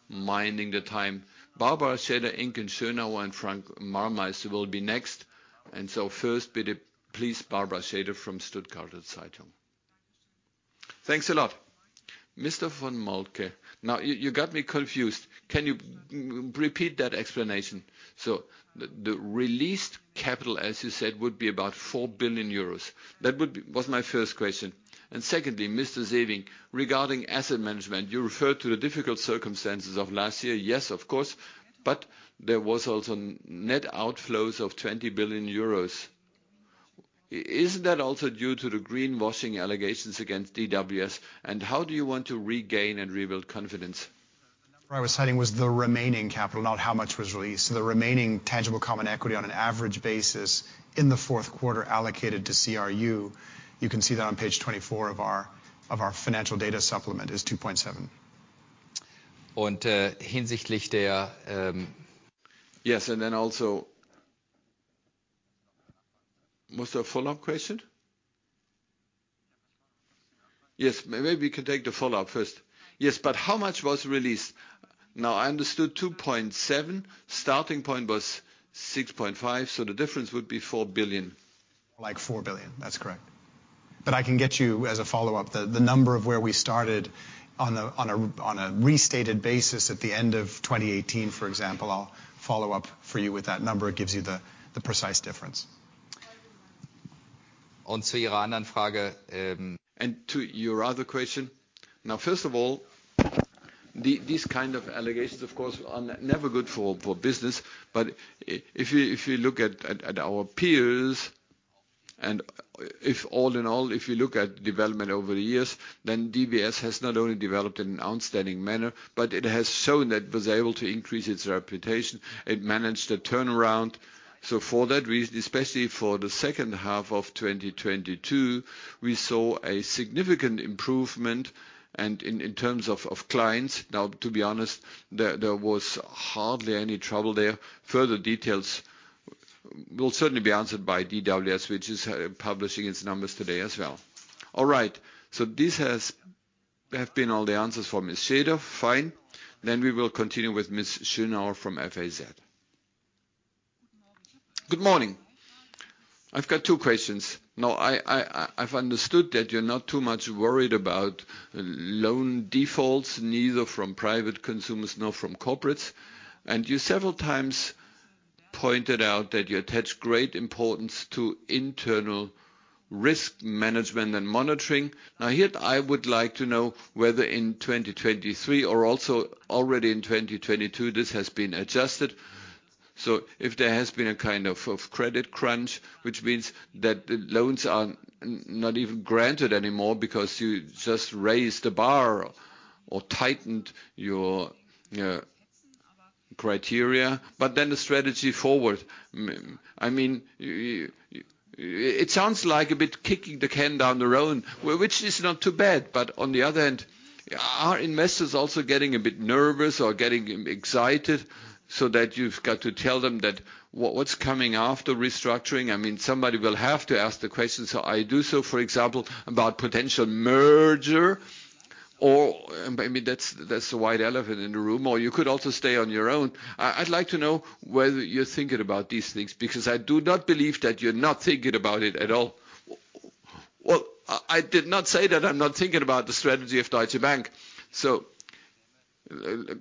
minding the time. Barbara Schäder, Inken Schönauer, and Frank Marmer will be next. First, please, Barbara Schäder from Stuttgarter Zeitung. Thanks a lot. Mr. Von Moltke, now you got me confused. Can you repeat that explanation? The released capital, as you said, would be about 4 billion euros. That would be. Was my first question. Secondly, Mr. Sewing, regarding asset management, you referred to the difficult circumstances of last year. Yes, of course, but there was also net outflows of 20 billion euros. Is that also due to the greenwashing allegations against DWS, and how do you want to regain and rebuild confidence? The number I was citing was the remaining capital, not how much was released. The remaining tangible common equity on an average basis in the fourth quarter allocated to CRU, you can see that on page 24 of our financial data supplement, is 2.7. Yes, also... Was there a follow-up question? Yes. Maybe we can take the follow-up first. Yes, how much was released? Now, I understood 2.7 billion. Starting point was 6.5 billion, the difference would be 4 billion. Like 4 billion. That's correct. I can get you, as a follow-up, the number of where we started on a, on a, on a restated basis at the end of 2018, for example. I'll follow up for you with that number. It gives you the precise difference. To your other question. First of all, these kind of allegations, of course, are never good for business. If you look at our peers, if all in all, if you look at development over the years, DWS has not only developed in an outstanding manner, but it has shown that it was able to increase its reputation. It managed a turnaround. For that reason, especially for the second half of 2022, we saw a significant improvement and in terms of clients. To be honest, there was hardly any trouble there. Further details will certainly be answered by DWS, which is publishing its numbers today as well. This has been all the answers for Ms. Schäder. we will continue with Ms. Schönauer from FAZ. Good morning. I've got two questions. Now, I've understood that you're not too much worried about loan defaults, neither from private consumers nor from corporates. You several times pointed out that you attach great importance to internal risk management and monitoring. Here, I would like to know whether in 2023 or also already in 2022 this has been adjusted. If there has been a kind of credit crunch, which means that the loans are not even granted anymore because you just raised the bar or tightened your criteria. The strategy forward. I mean, you, it sounds like a bit kicking the can down the road, which is not too bad. On the other hand, are investors also getting a bit nervous or getting excited so that you've got to tell them that what's coming after restructuring? I mean, somebody will have to ask the question. I do so, for example, about potential merger. I mean, that's the white elephant in the room, or you could also stay on your own. I'd like to know whether you're thinking about these things, because I do not believe that you're not thinking about it at all. Well, I did not say that I'm not thinking about the strategy of Deutsche Bank.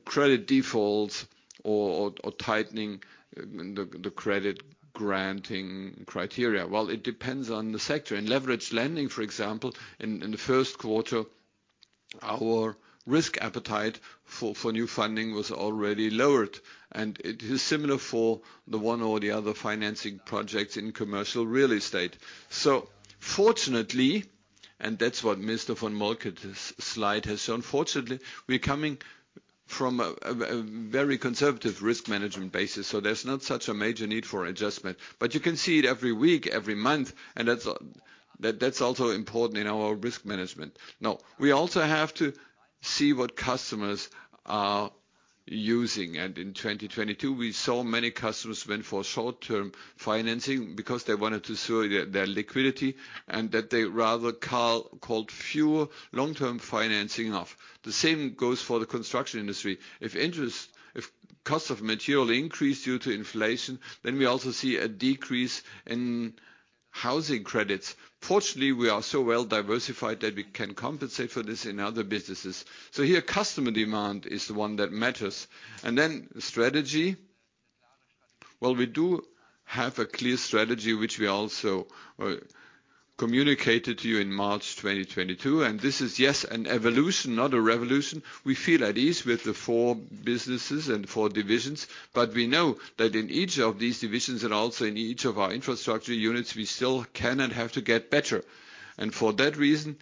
Credit defaults or tightening the credit granting criteria. Well, it depends on the sector. In leveraged lending, for example, in the first quarter, our risk appetite for new funding was already lowered, and it is similar for the one or the other financing projects in commercial real estate. Fortunately, and that's what Mr. von Moltke's slide has shown. Fortunately, we're coming from a very conservative risk management basis, so there's not such a major need for adjustment. You can see it every week, every month, and that's also important in our risk management. We also have to see what customers are using. In 2022, we saw many customers went for short-term financing because they wanted to shore their liquidity and that they rather called fewer long-term financing off. The same goes for the construction industry. If costs of material increase due to inflation, then we also see a decrease in housing credits. Fortunately, we are so well diversified that we can compensate for this in other businesses. Here, customer demand is the one that matters. Strategy. Well, we do have a clear strategy, which we also- communicated to you in March 2022. This is, yes, an evolution, not a revolution. We feel at ease with the four businesses and four divisions, but we know that in each of these divisions, and also in each of our infrastructure units, we still can and have to get better. For that reason,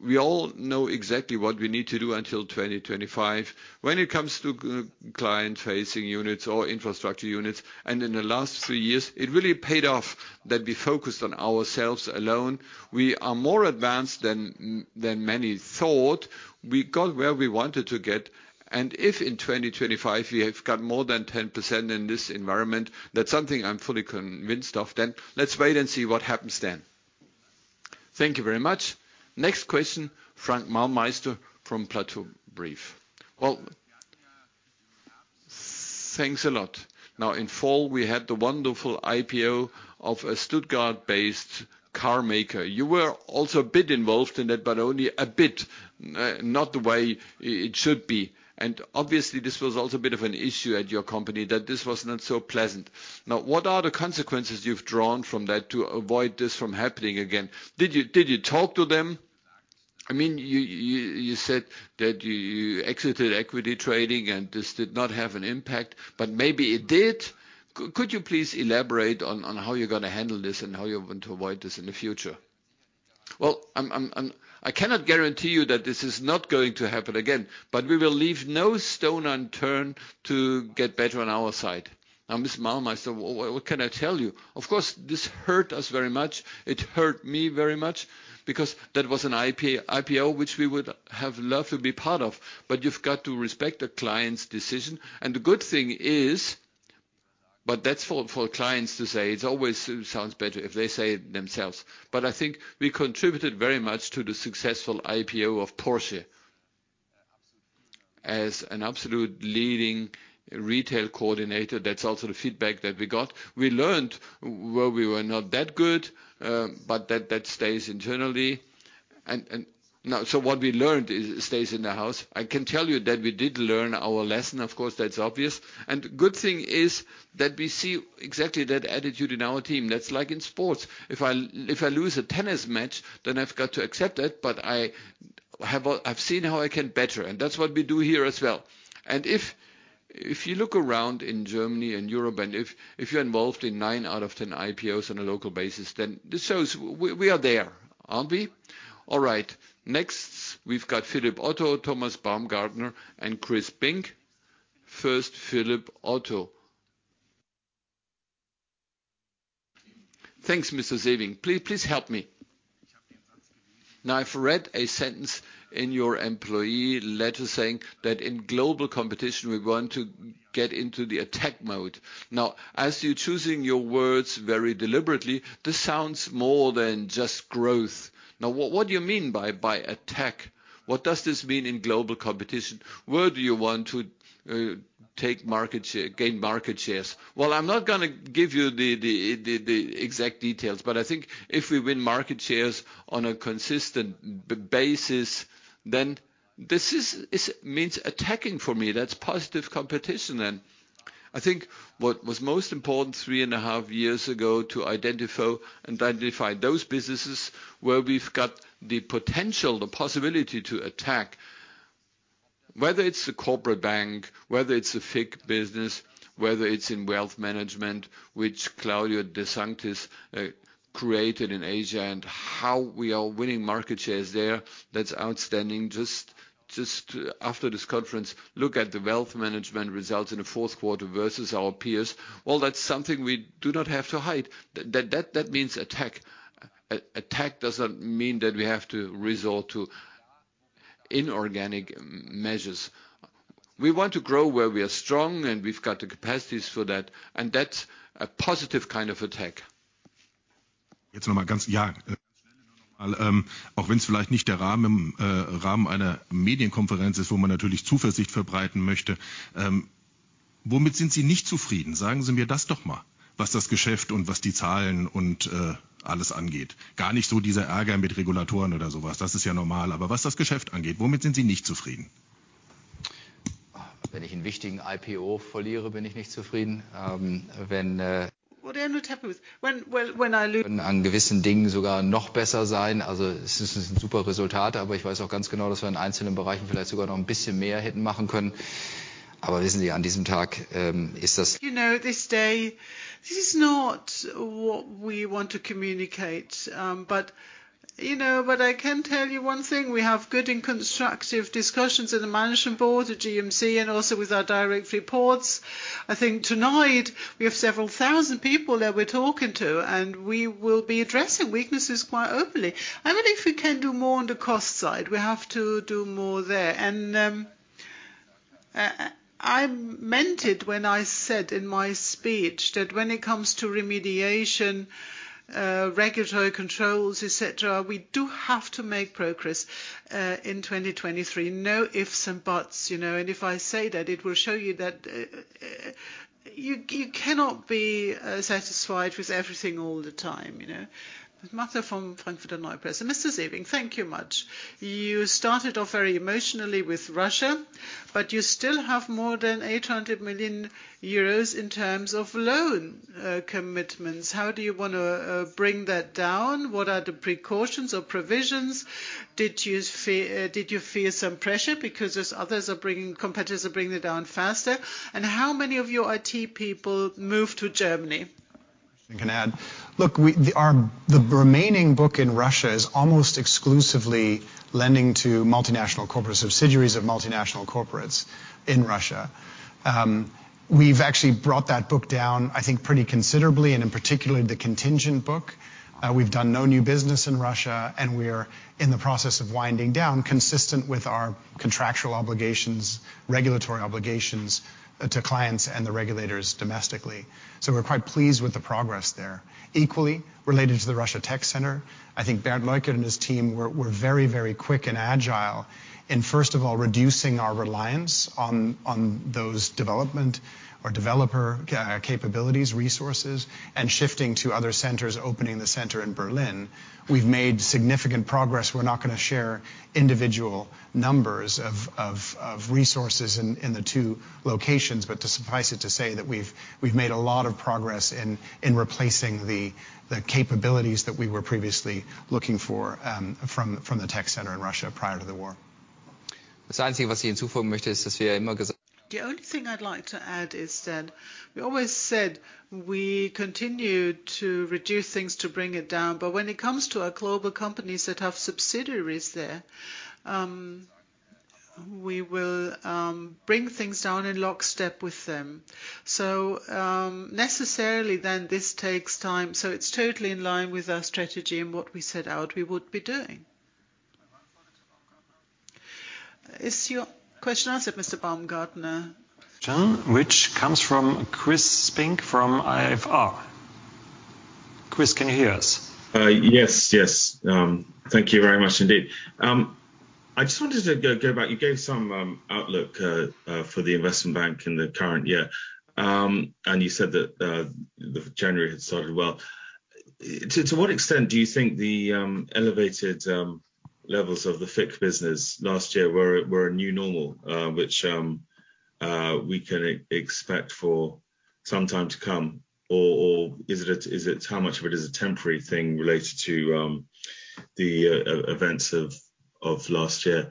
we all know exactly what we need to do until 2025 when it comes to client facing units or infrastructure units. In the last three years it really paid off that we focused on ourselves alone. We are more advanced than many thought. We got where we wanted to get, and if in 2025 we have got more than 10% in this environment, that's something I'm fully convinced of, then let's wait and see what happens then. Thank you very much. Next question, Frank Mahlmeister from PLATOW Brief. Well, thanks a lot. In fall we had the wonderful IPO of a Stuttgart-based car maker. You were also a bit involved in that, but only a bit, not the way it should be. Obviously this was also a bit of an issue at your company, that this was not so pleasant. What are the consequences you've drawn from that to avoid this from happening again? Did you talk to them? I mean, you said that you exited equity trading and this did not have an impact, but maybe it did. Could you please elaborate on how you're gonna handle this and how you're going to avoid this in the future? Well, I'm. I cannot guarantee you that this is not going to happen again. We will leave no stone unturned to get better on our side. Now, Mr. Mahlmeister, what can I tell you? Of course, this hurt us very much. It hurt me very much because that was an IPO which we would have loved to be part of. You've got to respect a client's decision. The good thing is. That's for clients to say. It always sounds better if they say it themselves. I think we contributed very much to the successful IPO of Porsche as an absolute leading retail coordinator. That's also the feedback that we got. We learned where we were not that good, but that stays internally. What we learned is, it stays in the house. I can tell you that we did learn our lesson, of course. That's obvious. The good thing is that we see exactly that attitude in our team. That's like in sports. If I lose a tennis match, then I've got to accept it, but I have, I've seen how I can better, and that's what we do here as well. If, if you look around in Germany and Europe, and if you're involved in 9 out of 10 IPOs on a local basis, then this shows we are there, aren't we? All right. Next we've got Philipp Otto, Thomas Baumgartner, and Chris Hallam. First, Philipp Otto. Thanks, Mr. Sewing. Please help me. I've read a sentence in your employee letter saying that in global competition we want to get into the attack mode. As you're choosing your words very deliberately, this sounds more than just growth. What do you mean by attack? What does this mean in global competition? Where do you want to take market share, gain market shares? I'm not gonna give you the exact details, but I think if we win market shares on a consistent basis, then this means attacking for me. That's positive competition. I think what was most important three and a half years ago to identify those businesses where we've got the potential, the possibility to attack, whether it's the Corporate Bank, whether it's the FIC business, whether it's in wealth management, which Claudio de Sanctis created in Asia, and how we are winning market shares there, that's outstanding. Just after this conference, look at the wealth management results in the fourth quarter versus our peers. All that's something we do not have to hide. That means attack. Attack doesn't mean that we have to resort to inorganic measures. We want to grow where we are strong, and we've got the capacities for that, and that's a positive kind of attack. You know, this day, this is not what we want to communicate. You know, but I can tell you one thing. We have good and constructive discussions in the management board, the GMC, and also with our direct reports. I think tonight we have several thousand people that we're talking to, and we will be addressing weaknesses quite openly. I believe we can do more on the cost side. We have to do more there. I meant it when I said in my speech that when it comes to remediation, regulatory controls, et cetera, we do have to make progress in 2023. No ifs and buts, you know. If I say that, it will show you that you cannot be satisfied with everything all the time, you know. Martha from Frankfurter Neue Presse. Mr. Sewing, thank you much. You started off very emotionally with Russia, but you still have more than 800 million euros in terms of loan commitments. How do you wanna bring that down? What are the precautions or provisions? Did you feel some pressure because as others are bringing, competitors are bringing it down faster? How many of your IT people moved to Germany? I can add. Look, we, the remaining book in Russia is almost exclusively lending to multinational corporate subsidiaries of multinational corporates in Russia. We've actually brought that book down, I think, pretty considerably, and in particular the contingent book. We've done no new business in Russia, and we're in the process of winding down consistent with our contractual obligations, regulatory obligations to clients and the regulators domestically. We're quite pleased with the progress there. Equally, related to the Russia tech center, I think Bernd Leukert and his team were very, very quick and agile in first of all reducing our reliance on those development or developer capabilities, resources and shifting to other centers, opening the center in Berlin. We've made significant progress. We're not gonna share individual numbers of resources in the two locations. To suffice it to say that we've made a lot of progress in replacing the capabilities that we were previously looking for from the tech center in Russia prior to the war. The only thing I'd like to add is that we always said we continue to reduce things to bring it down. When it comes to our global companies that have subsidiaries there, we will bring things down in lockstep with them. Necessarily then this takes time, so it's totally in line with our strategy and what we set out we would be doing. Is your question answered, Mr. Baumgartner? John, which comes from Chris Spink from IFR. Chris, can you hear us? Yes, yes. Thank you very much indeed. I just wanted to go back. You gave some outlook for the Investment Bank in the current year, and you said that January had started well. To what extent do you think the elevated levels of the FIC business last year were a new normal which we can expect for some time to come or is it how much of it is a temporary thing related to the events of last year?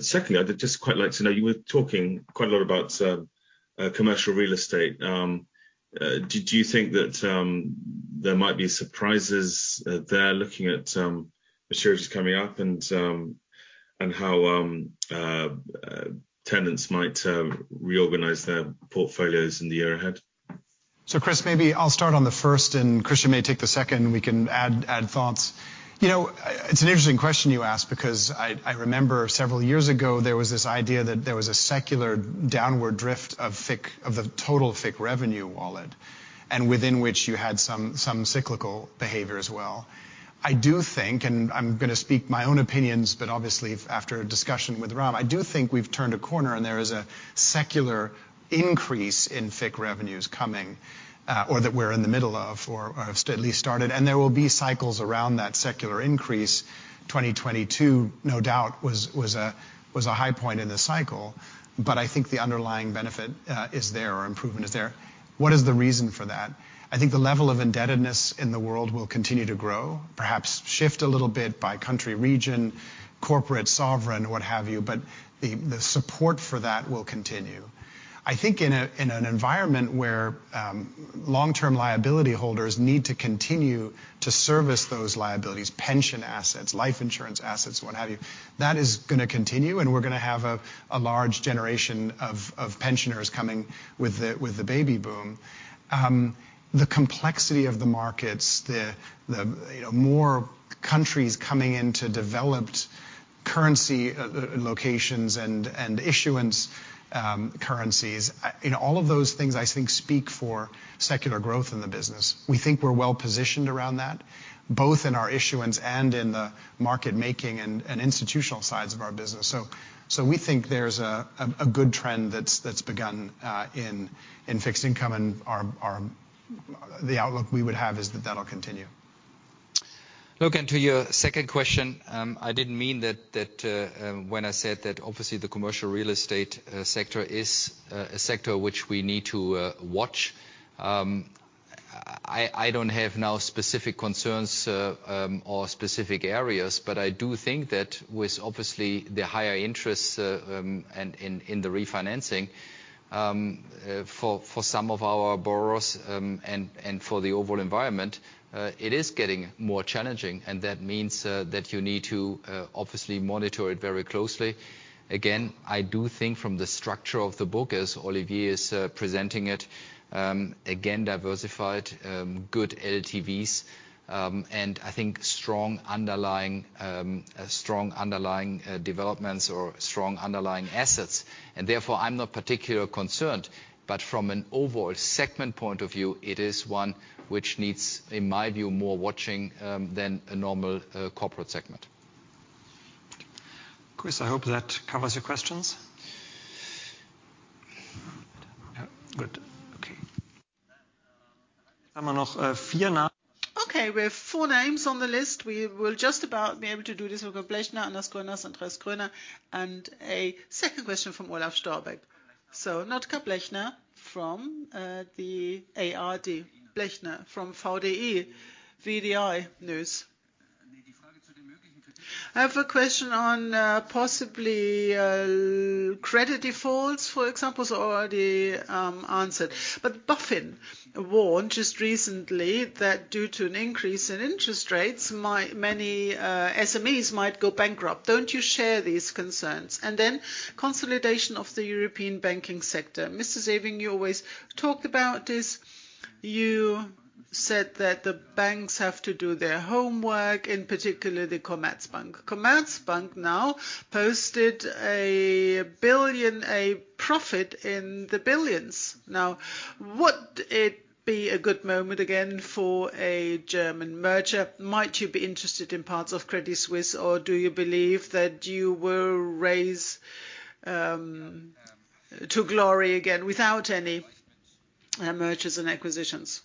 Secondly, I'd just quite like to know, you were talking quite a lot about commercial real estate. Do you think that there might be surprises there looking at maturities coming up and how tenants might reorganize their portfolios in the year ahead? Chris, maybe I'll start on the first and Christian may take the second, and we can add thoughts. You know, it's an interesting question you ask because I remember several years ago there was this idea that there was a secular downward drift of FIC, of the total FIC revenue wallet, and within which you had some cyclical behavior as well. I do think, and I'm gonna speak my own opinions, but obviously after a discussion with Ram, I do think we've turned a corner, and there is a secular increase in FIC revenues coming, or that we're in the middle of or have at least started, and there will be cycles around that secular increase. 2022, no doubt, was a, was a high point in the cycle, but I think the underlying benefit, is there or improvement is there. What is the reason for that? I think the level of indebtedness in the world will continue to grow, perhaps shift a little bit by country, region, corporate, sovereign, what have you, but the support for that will continue. I think in an environment where long-term liability holders need to continue to service those liabilities, pension assets, life insurance assets, what have you, that is gonna continue, and we're gonna have a large generation of pensioners coming with the baby boom. The complexity of the markets, the, you know, more countries coming into developed currency locations and issuance, currencies, you know, all of those things I think speak for secular growth in the business. We think we're well positioned around that, both in our issuance and in the market making and institutional sides of our business. We think there's a good trend that's begun in fixed income and our. The outlook we would have is that that'll continue. Look, to your second question, I didn't mean that when I said that obviously the commercial real estate sector is a sector which we need to watch. I don't have now specific concerns or specific areas, but I do think that with obviously the higher interests and in the refinancing for some of our borrowers and for the overall environment, it is getting more challenging, and that means that you need to obviously monitor it very closely. Again, I do think from the structure of the book as Olivier is presenting it, again, diversified, good LTVs, and I think strong underlying developments or strong underlying assets. I'm not particularly concerned, but from an overall segment point of view, it is one which needs, in my view, more watching, than a normal, corporate segment. Chris, I hope that covers your questions. Good. Okay. Okay, we have four names on the list. We will just about be able to do this. We've got Blechner, Anders Gröner, Santos Gruner, and a second question from Olaf Storbeck. Notker Blechner from the ARD. I have a question on possibly credit defaults, for example, is already answered. BaFin warned just recently that due to an increase in interest rates many SMEs might go bankrupt. Don't you share these concerns? Consolidation of the European banking sector. Mr. Sewing, you always talked about this. You said that the banks have to do their homework, in particular the Commerzbank. Commerzbank now posted a profit in the billions. Would it be a good moment again for a German merger? Might you be interested in parts of Credit Suisse, or do you believe that you will raise to glory again without any mergers and acquisitions?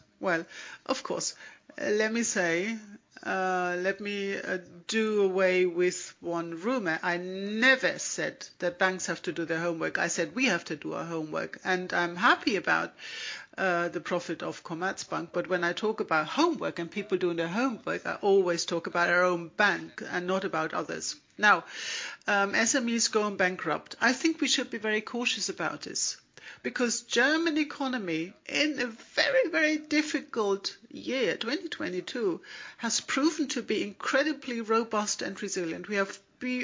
Of course, let me say, let me do away with one rumor. I never said that banks have to do their homework. I said we have to do our homework. I'm happy about the profit of Commerzbank, but when I talk about homework and people doing their homework, I always talk about our own bank and not about others. SMEs going bankrupt. I think we should be very cautious about this because German economy in a very, very difficult year, 2022, has proven to be incredibly robust and resilient. We have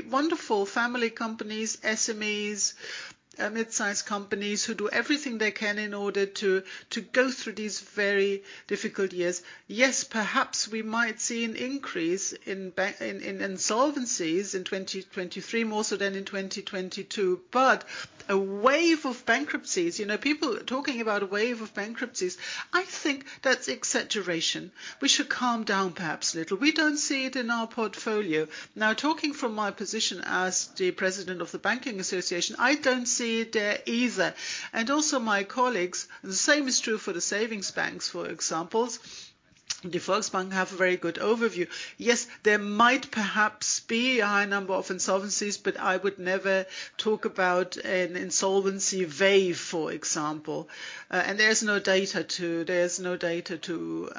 wonderful family companies, SMEs, mid-size companies who do everything they can in order to go through these very difficult years. Yes, perhaps we might see an increase in insolvencies in 2023, more so than in 2022. A wave of bankruptcies, you know, people talking about a wave of bankruptcies, I think that's exaggeration. We should calm down perhaps a little. We don't see it in our portfolio. Talking from my position as the President of the Banking Association, I don't see it there either. Also my colleagues. The same is true for the savings banks, for example. The Volksbank have a very good overview. There might perhaps be a high number of insolvencies, I would never talk about an insolvency wave, for example. There's no data to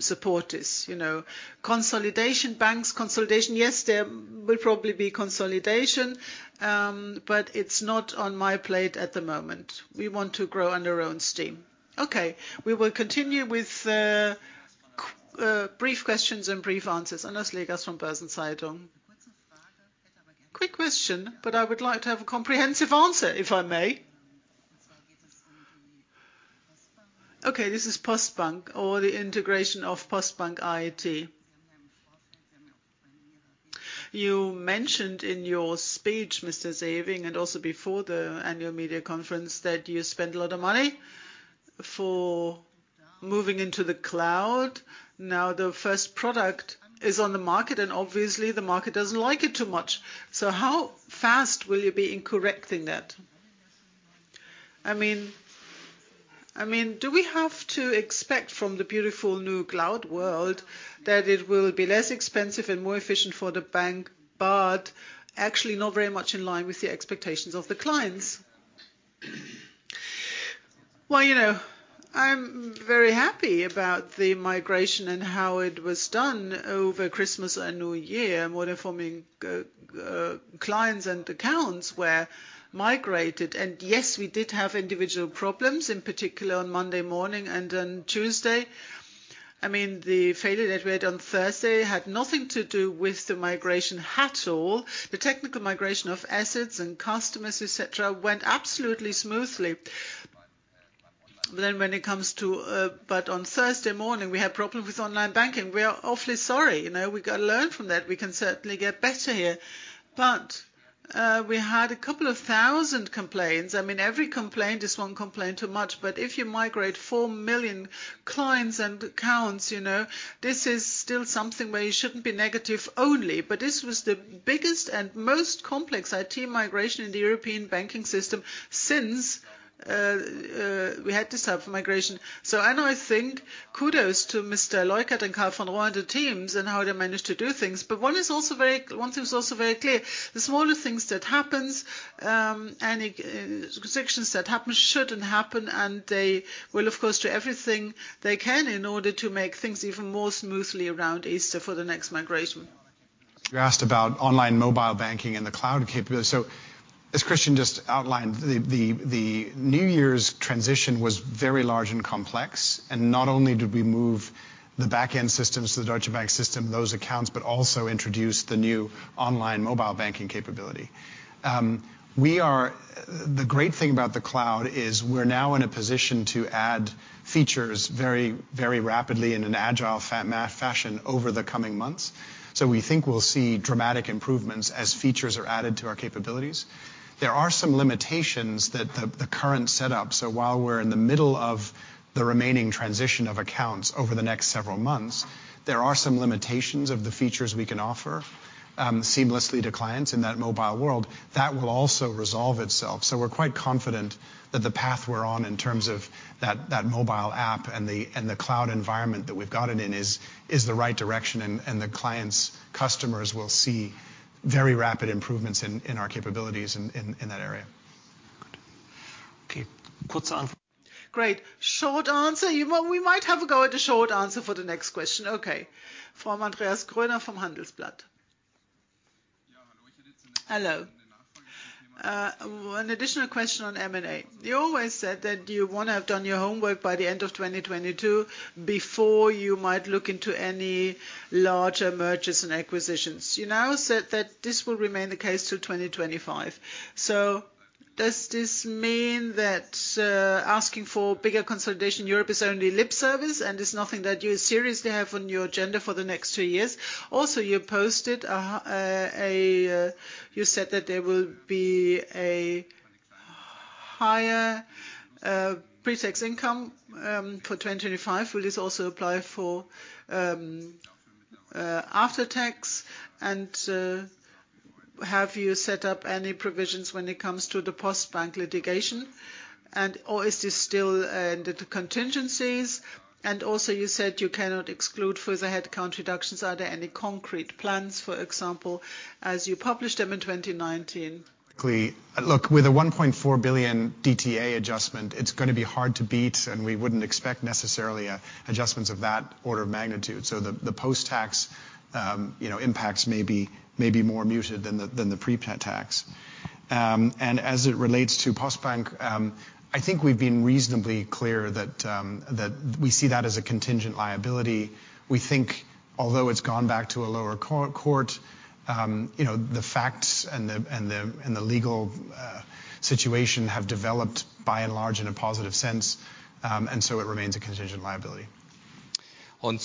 support this, you know. Consolidation banks. Consolidation, yes, there will probably be consolidation, it's not on my plate at the moment. We want to grow on our own steam. Okay. We will continue with the brief questions and brief answers. Anas Legas from Börsen-Zeitung. Quick question, I would like to have a comprehensive answer, if I may. This is Postbank or the integration of Postbank IT. You mentioned in your speech, Mr. Sewing, and also before the annual media conference, that you spend a lot of money for moving into the cloud. Now, the first product is on the market, and obviously the market doesn't like it too much. How fast will you be in correcting that? I mean, do we have to expect from the beautiful new cloud world that it will be less expensive and more efficient for the bank, but actually not very much in line with the expectations of the clients? Well, you know, I'm very happy about the migration and how it was done over Christmas and New Year. More than 4 million clients and accounts were migrated. Yes, we did have individual problems, in particular on Monday morning and on Tuesday. I mean, the failure that we had on Thursday had nothing to do with the migration at all. The technical migration of assets and customers, et cetera, went absolutely smoothly. When it comes to, on Thursday morning, we had problems with online banking. We are awfully sorry. You know, we gotta learn from that. We can certainly get better here. We had a couple of thousand complaints. I mean, every complaint is one complaint too much. If you migrate 4 million clients and accounts, you know, this is still something where you shouldn't be negative only. This was the biggest and most complex IT migration in the European banking system since we had this type of migration. I think kudos to Mr. Leukert and Karl von Rohr and the teams and how they managed to do things. One thing was also very clear, the smaller things that happens, and restrictions that happen shouldn't happen, and they will, of course, do everything they can in order to make things even more smoothly around Easter for the next migration. You asked about online mobile banking and the cloud capability. As Christian just outlined, the New Year's transition was very large and complex. Not only did we move the back-end systems to the Deutsche Bank system, those accounts, but also introduced the new online mobile banking capability. The great thing about the cloud is we're now in a position to add features very, very rapidly in an agile fashion over the coming months. We think we'll see dramatic improvements as features are added to our capabilities. There are some limitations that the current set up. While we're in the middle of the remaining transition of accounts over the next several months, there are some limitations of the features we can offer seamlessly to clients in that mobile world. That will also resolve itself, so we're quite confident. That the path we're on in terms of that mobile app and the cloud environment that we've got it in is the right direction, and the clients, customers will see very rapid improvements in our capabilities in that area. Good. Okay. Great. Short answer. Well, we might have a go at a short answer for the next question. Okay. From Andreas Gröner from Handelsblatt. Yeah, hello. Hello. One additional question on M&A. You always said that you wanna have done your homework by the end of 2022 before you might look into any larger mergers and acquisitions. You now said that this will remain the case till 2025. Does this mean that asking for bigger consolidation Europe is only lip service, and it's nothing that you seriously have on your agenda for the next two years? You posted, you said that there will be a higher pretax income for 2025. Will this also apply for after tax? Have you set up any provisions when it comes to the Postbank litigation? Or is this still under the contingencies? You said you cannot exclude further headcount reductions. Are there any concrete plans, for example, as you published them in 2019? Look, with a 1.4 billion DTA adjustment, it's gonna be hard to beat. We wouldn't expect necessarily adjustments of that order of magnitude. The post-tax, you know, impacts may be more muted than the pre-tax. As it relates to Postbank, I think we've been reasonably clear that we see that as a contingent liability. We think although it's gone back to a lower court, you know, the facts and the legal situation have developed by and large in a positive sense. It remains a contingent liability. On the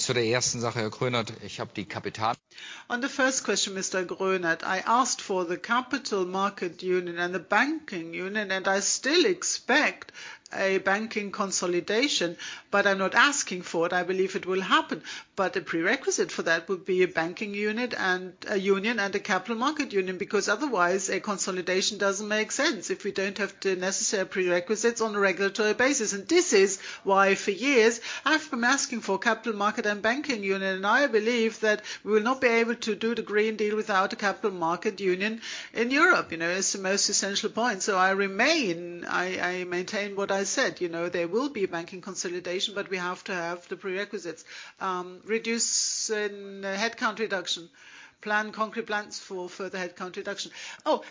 first question, Andreas Gröner, I asked for the Capital Markets Union and the banking union, I still expect a banking consolidation, but I'm not asking for it. I believe it will happen. A prerequisite for that would be a banking unit and a union and a Capital Markets Union because otherwise a consolidation doesn't make sense if we don't have the necessary prerequisites on a regulatory basis. This is why for years I've been asking for Capital Markets and banking union, I believe that we will not be able to do the Green Deal without a Capital Markets Union in Europe. You know? It's the most essential point. I remain. I maintain what I said. You know? There will be banking consolidation, but we have to have the prerequisites. Reduce in headcount reduction. Plan concrete plans for further headcount reduction.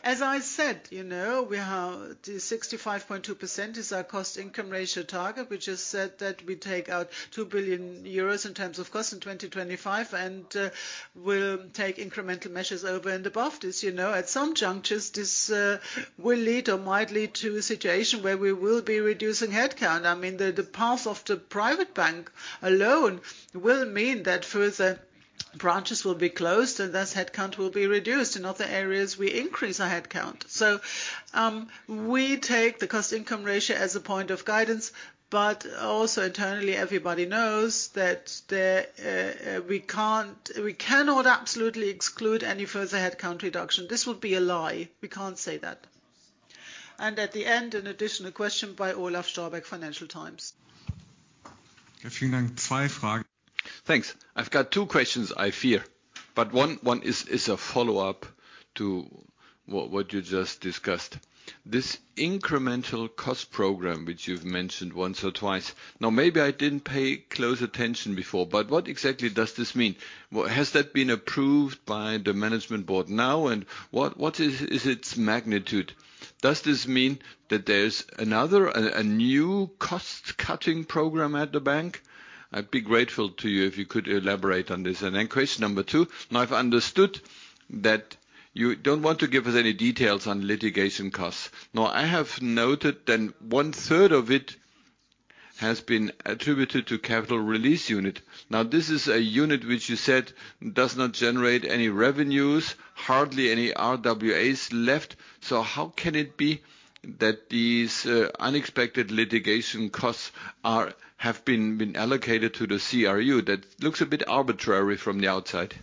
As I said, you know, the 65.2% is our cost-income ratio target. We just said that we take out 2 billion euros in terms of cost in 2025, we'll take incremental measures over and above this, you know. At some junctures, this will lead or might lead to a situation where we will be reducing headcount. I mean, the path of the Private Bank alone will mean that further branches will be closed, and thus headcount will be reduced. In other areas, we increase our headcount. We take the cost-income ratio as a point of guidance. Also internally, everybody knows that we cannot absolutely exclude any further headcount reduction. This would be a lie. We can't say that. At the end, an additional question by Olaf Storbeck, Financial Times. Thanks. I've got two questions, I fear, but one is a follow-up to what you just discussed. This incremental cost program which you've mentioned once or twice, now maybe I didn't pay close attention before, but what exactly does this mean? Has that been approved by the management board now? What is its magnitude? Does this mean that there's another new cost cutting program at the bank? I'd be grateful to you if you could elaborate on this. Question number two. I've understood that you don't want to give us any details on litigation costs. I have noted then one-third of it has been attributed to Capital Release Unit. This is a unit which you said does not generate any revenues, hardly any RWAs left. How can it be that these unexpected litigation costs have been allocated to the CRU? That looks a bit arbitrary from the outside.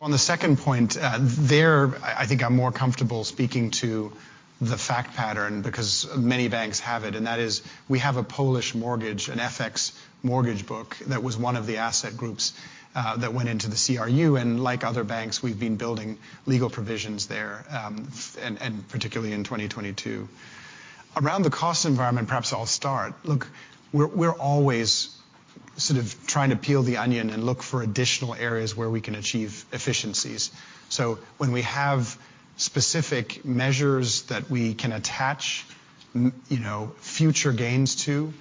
On the second point, there I think I'm more comfortable speaking to the fact pattern because many banks have it, and that is we have a Polish mortgage, an FX mortgage book that was one of the asset groups that went into the CRU. Like other banks, we've been building legal provisions there, and particularly in 2022. Around the cost environment, perhaps I'll start. Look, we're always sort of trying to peel the onion and look for additional areas where we can achieve efficiencies. When we have specific measures that we can attach, you know, future gains to,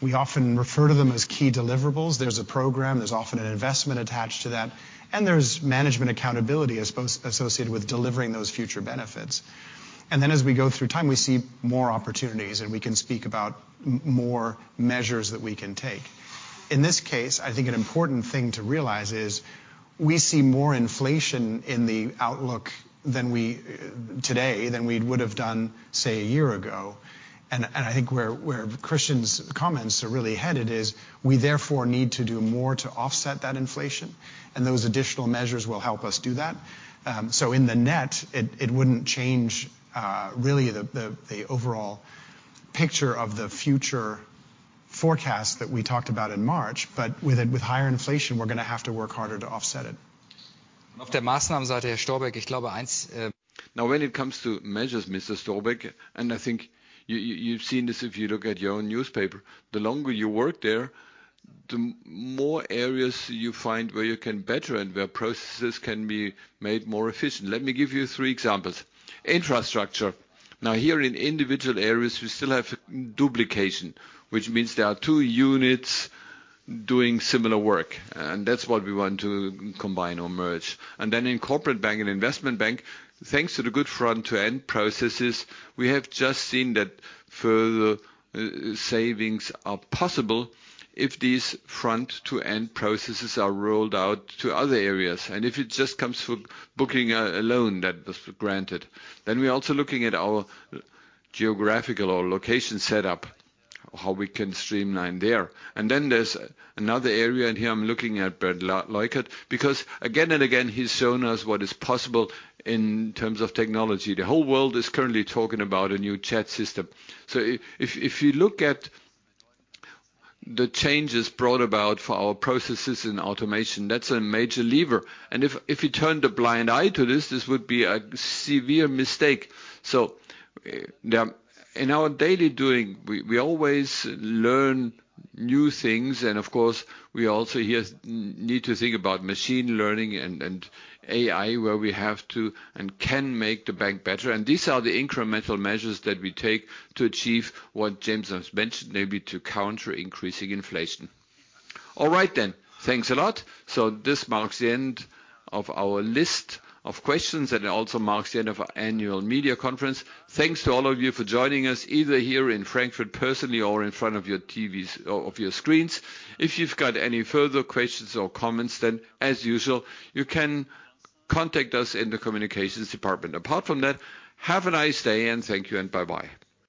we often refer to them as key deliverables. There's a program. There's often an investment attached to that, and there's management accountability associated with delivering those future benefits. As we go through time, we see more opportunities, and we can speak about more measures that we can take. In this case, I think an important thing to realize is we see more inflation in the outlook than we, today than we would've done, say, a year ago. I think where Christian's comments are really headed is we therefore need to do more to offset that inflation, and those additional measures will help us do that. In the net, it wouldn't change really the overall picture of the futureForecast that we talked about in March, but with higher inflation, we're gonna have to work harder to offset it. When it comes to measures, Mr. Storbeck. I think you've seen this if you look at your own newspaper. The longer you work there, the more areas you find where you can better and where processes can be made more efficient. Let me give you three examples. Infrastructure. Here in individual areas, we still have duplication, which means there are two units doing similar work, and that's what we want to combine or merge. In Corporate Bank and Investment Bank, thanks to the good front-to-end processes, we have just seen that further savings are possible if these front-to-end processes are rolled out to other areas. If it just comes from booking a loan that was granted. We're also looking at our geographical or location setup, how we can streamline there. There's another area, here I'm looking at Bernd Leukert, because again and again, he's shown us what is possible in terms of technology. The whole world is currently talking about a new chat system. If you look at the changes brought about for our processes in automation, that's a major lever. If you turn the blind eye to this would be a severe mistake. In our daily doing, we always learn new things. Of course, we also here need to think about machine learning and AI, wher we have to and can make the bank better. These are the incremental measures that we take to achieve what James has mentioned, namely to counter increasing inflation. All right. Thanks a lot. This marks the end of our list of questions, and it also marks the end of our annual media conference. Thanks to all of you for joining us, either here in Frankfurt personally or in front of your TVs or of your screens. If you've got any further questions or comments, then as usual, you can contact us in the communications department. Apart from that, have a nice day, and thank you, and bye-bye.